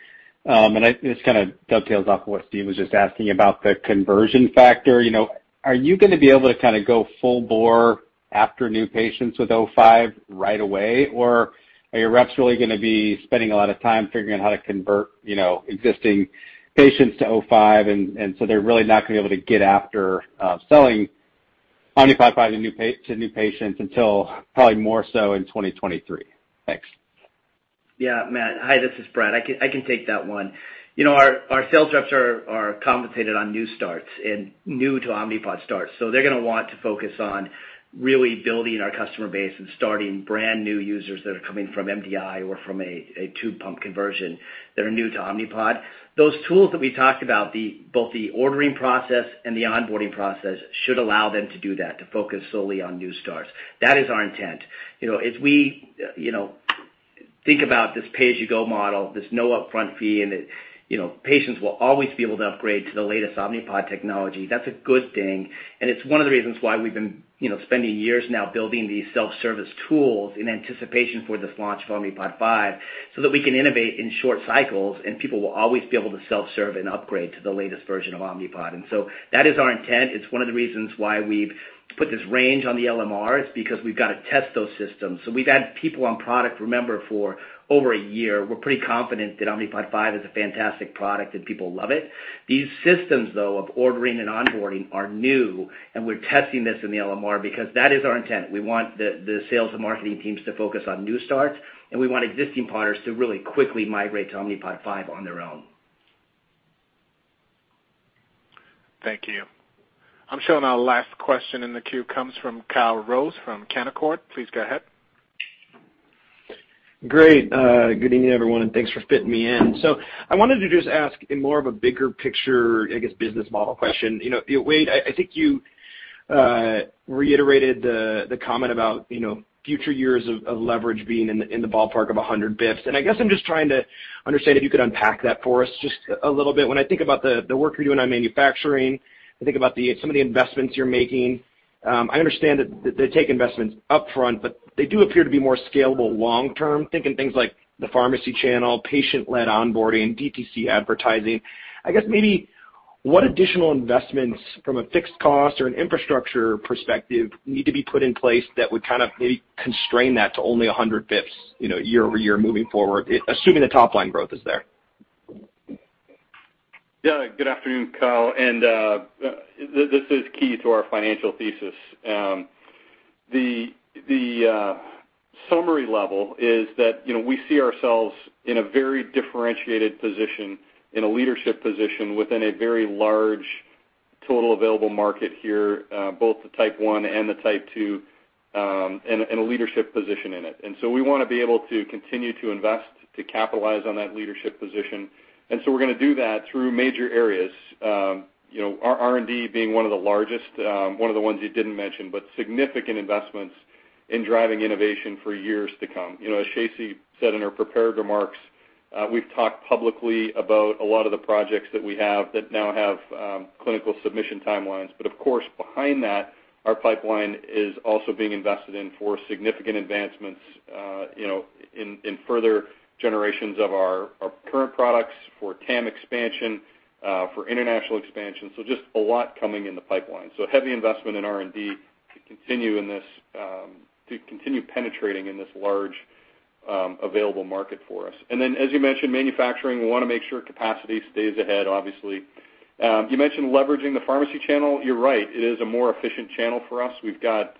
This kinda dovetails off of what Steve was just asking about the conversion factor. You know, are you gonna be able to kinda go full bore after new patients with Omnipod 5 right away? Or are your reps really going to be spending a lot of time figuring out how to convert, you know, existing patients to Omnipod 5, and so they're really not going to be able to get after selling Omnipod 5 to new patients until probably more so in 2023? Thanks. Yeah, Matt. Hi, this is Bret. I can take that one. You know, our sales reps are compensated on new starts and new to Omnipod starts. They're going to want to focus on really building our customer base and starting brand new users that are coming from MDI or from a tube pump conversion that are new to Omnipod. Those tools that we talked about, both the ordering process and the onboarding process should allow them to do that, to focus solely on new starts. That is our intent. You know, as we, you know, think about this pay-as-you-go model, this no upfront fee, and that, you know, patients will always be able to upgrade to the latest Omnipod technology, that's a good thing. It's one of the reasons why we've been, you know, spending years now building these self-service tools in anticipation for this launch of Omnipod 5, so that we can innovate in short cycles, and people will always be able to self-serve and upgrade to the latest version of Omnipod. That is our intent. It's one of the reasons why we've put this range on the LMR, because we've got to test those systems. We've had people on product, remember, for over a year. We're pretty confident that Omnipod 5 is a fantastic product, and people love it. These systems, though, of ordering and onboarding are new, and we're testing this in the LMR because that is our intent. We want the sales and marketing teams to focus on new starts, and we want existing Podders to really quickly migrate to Omnipod 5 on their own. Thank you. I'm showing our last question in the queue comes from Kyle Rose from Canaccord. Please go ahead. Great. Good evening, everyone, and thanks for fitting me in. I wanted to just ask in more of a bigger picture, I guess, business model question. You know, Wade, I think you reiterated the comment about, you know, future years of leverage being in the ballpark of 100 basis points. I guess I'm just trying to understand if you could unpack that for us just a little bit. When I think about the work you're doing on manufacturing, I think about some of the investments you're making. I understand that they take investments upfront, but they do appear to be more scalable long term, thinking things like the pharmacy channel, patient-led onboarding, DTC advertising. I guess maybe what additional investments from a fixed cost or an infrastructure perspective need to be put in place that would kind of maybe constrain that to only 100 basis points, you know, year-over-year moving forward, assuming the top line growth is there? Yeah, good afternoon, Kyle. This is key to our financial thesis. The summary level is that, you know, we see ourselves in a very differentiated position, in a leadership position within a very large total available market here, both the type one and the type two, and a leadership position in it. We're gonna do that through major areas. You know, our R&D being one of the largest, one of the ones you didn't mention, but significant investments in driving innovation for years to come. You know, as Shacey said in her prepared remarks, we've talked publicly about a lot of the projects that we have that now have clinical submission timelines. Of course, behind that, our pipeline is also being invested in for significant advancements, you know, in further generations of our current products for TAM expansion, for international expansion. Just a lot coming in the pipeline. Heavy investment in R&D to continue in this, to continue penetrating in this large, available market for us. Then as you mentioned, manufacturing, we wanna make sure capacity stays ahead, obviously. You mentioned leveraging the pharmacy channel. You're right. It is a more efficient channel for us. We've got,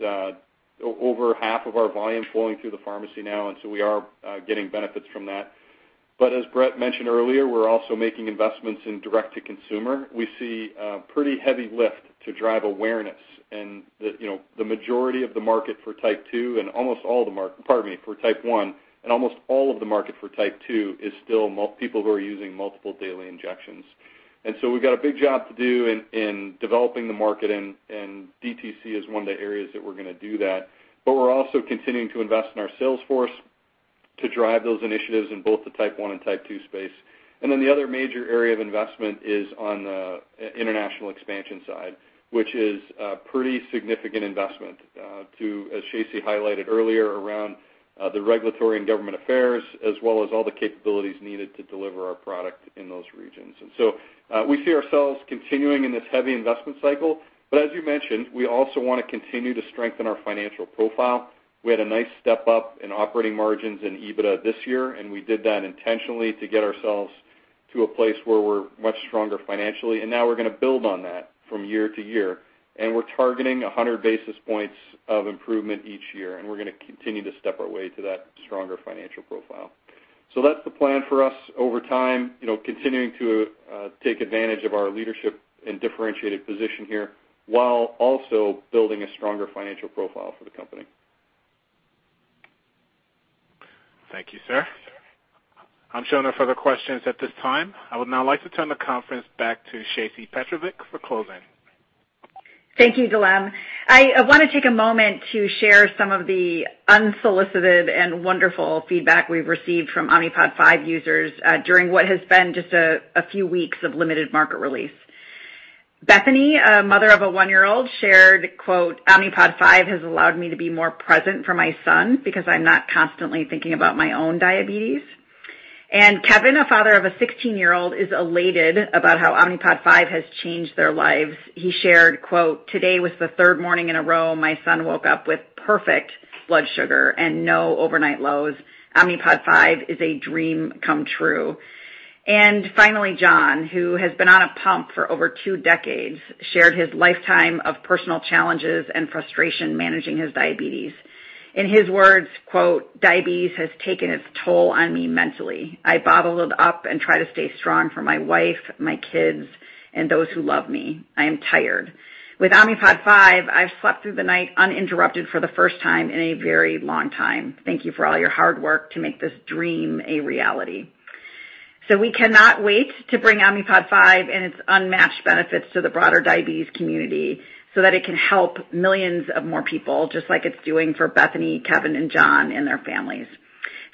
over 1/2 of our volume flowing through the pharmacy now, and so we are, getting benefits from that. As Bret mentioned earlier, we're also making investments in direct to consumer. We see a pretty heavy lift to drive awareness and, you know, the majority of the market for type two and almost all for type one and almost all of the market for type two is still people who are using multiple daily injections. We've got a big job to do in developing the market, and DTC is one of the areas that we're gonna do that. We're also continuing to invest in our sales force to drive those initiatives in both the type one and type two space. The other major area of investment is on the international expansion side, which is a pretty significant investment to, as Shacey highlighted earlier, around the regulatory and government affairs, as well as all the capabilities needed to deliver our product in those regions. We see ourselves continuing in this heavy investment cycle. As you mentioned, we also wanna continue to strengthen our financial profile. We had a nice step up in operating margins in EBITDA this year, and we did that intentionally to get ourselves to a place where we're much stronger financially. Now we're gonna build on that from year to year. We're targeting 100 basis points of improvement each year, and we're gonna continue to step our way to that stronger financial profile. That's the plan for us over time, you know, continuing to take advantage of our leadership and differentiated position here while also building a stronger financial profile for the company. Thank you, sir. I'm showing no further questions at this time. I would now like to turn the conference back to Shacey Petrovic for closing. Thank you, Diyam. I wanna take a moment to share some of the unsolicited and wonderful feedback we've received from Omnipod 5 users during what has been just a few weeks of limited market release. Bethany, a mother of a one-year-old, shared, quote, "Omnipod 5 has allowed me to be more present for my son because I'm not constantly thinking about my own diabetes." Kevin, a father of a 16-year-old, is elated about how Omnipod 5 has changed their lives. He shared, quote, "Today was the third morning in a row my son woke up with perfect blood sugar and no overnight lows. Omnipod 5 is a dream come true." Finally, John, who has been on a pump for over two decades, shared his lifetime of personal challenges and frustration managing his diabetes. In his words, quote, "Diabetes has taken its toll on me mentally. I bottle it up and try to stay strong for my wife, my kids, and those who love me. I am tired. With Omnipod 5, I've slept through the night uninterrupted for the first time in a very long time. Thank you for all your hard work to make this dream a reality." We cannot wait to bring Omnipod 5 and its unmatched benefits to the broader diabetes community so that it can help millions of more people, just like it's doing for Bethany, Kevin, and John and their families.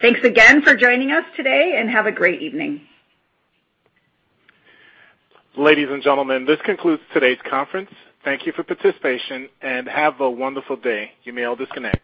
Thanks again for joining us today, and have a great evening. Ladies and gentlemen, this concludes today's conference. Thank you for participation, and have a wonderful day. You may all disconnect.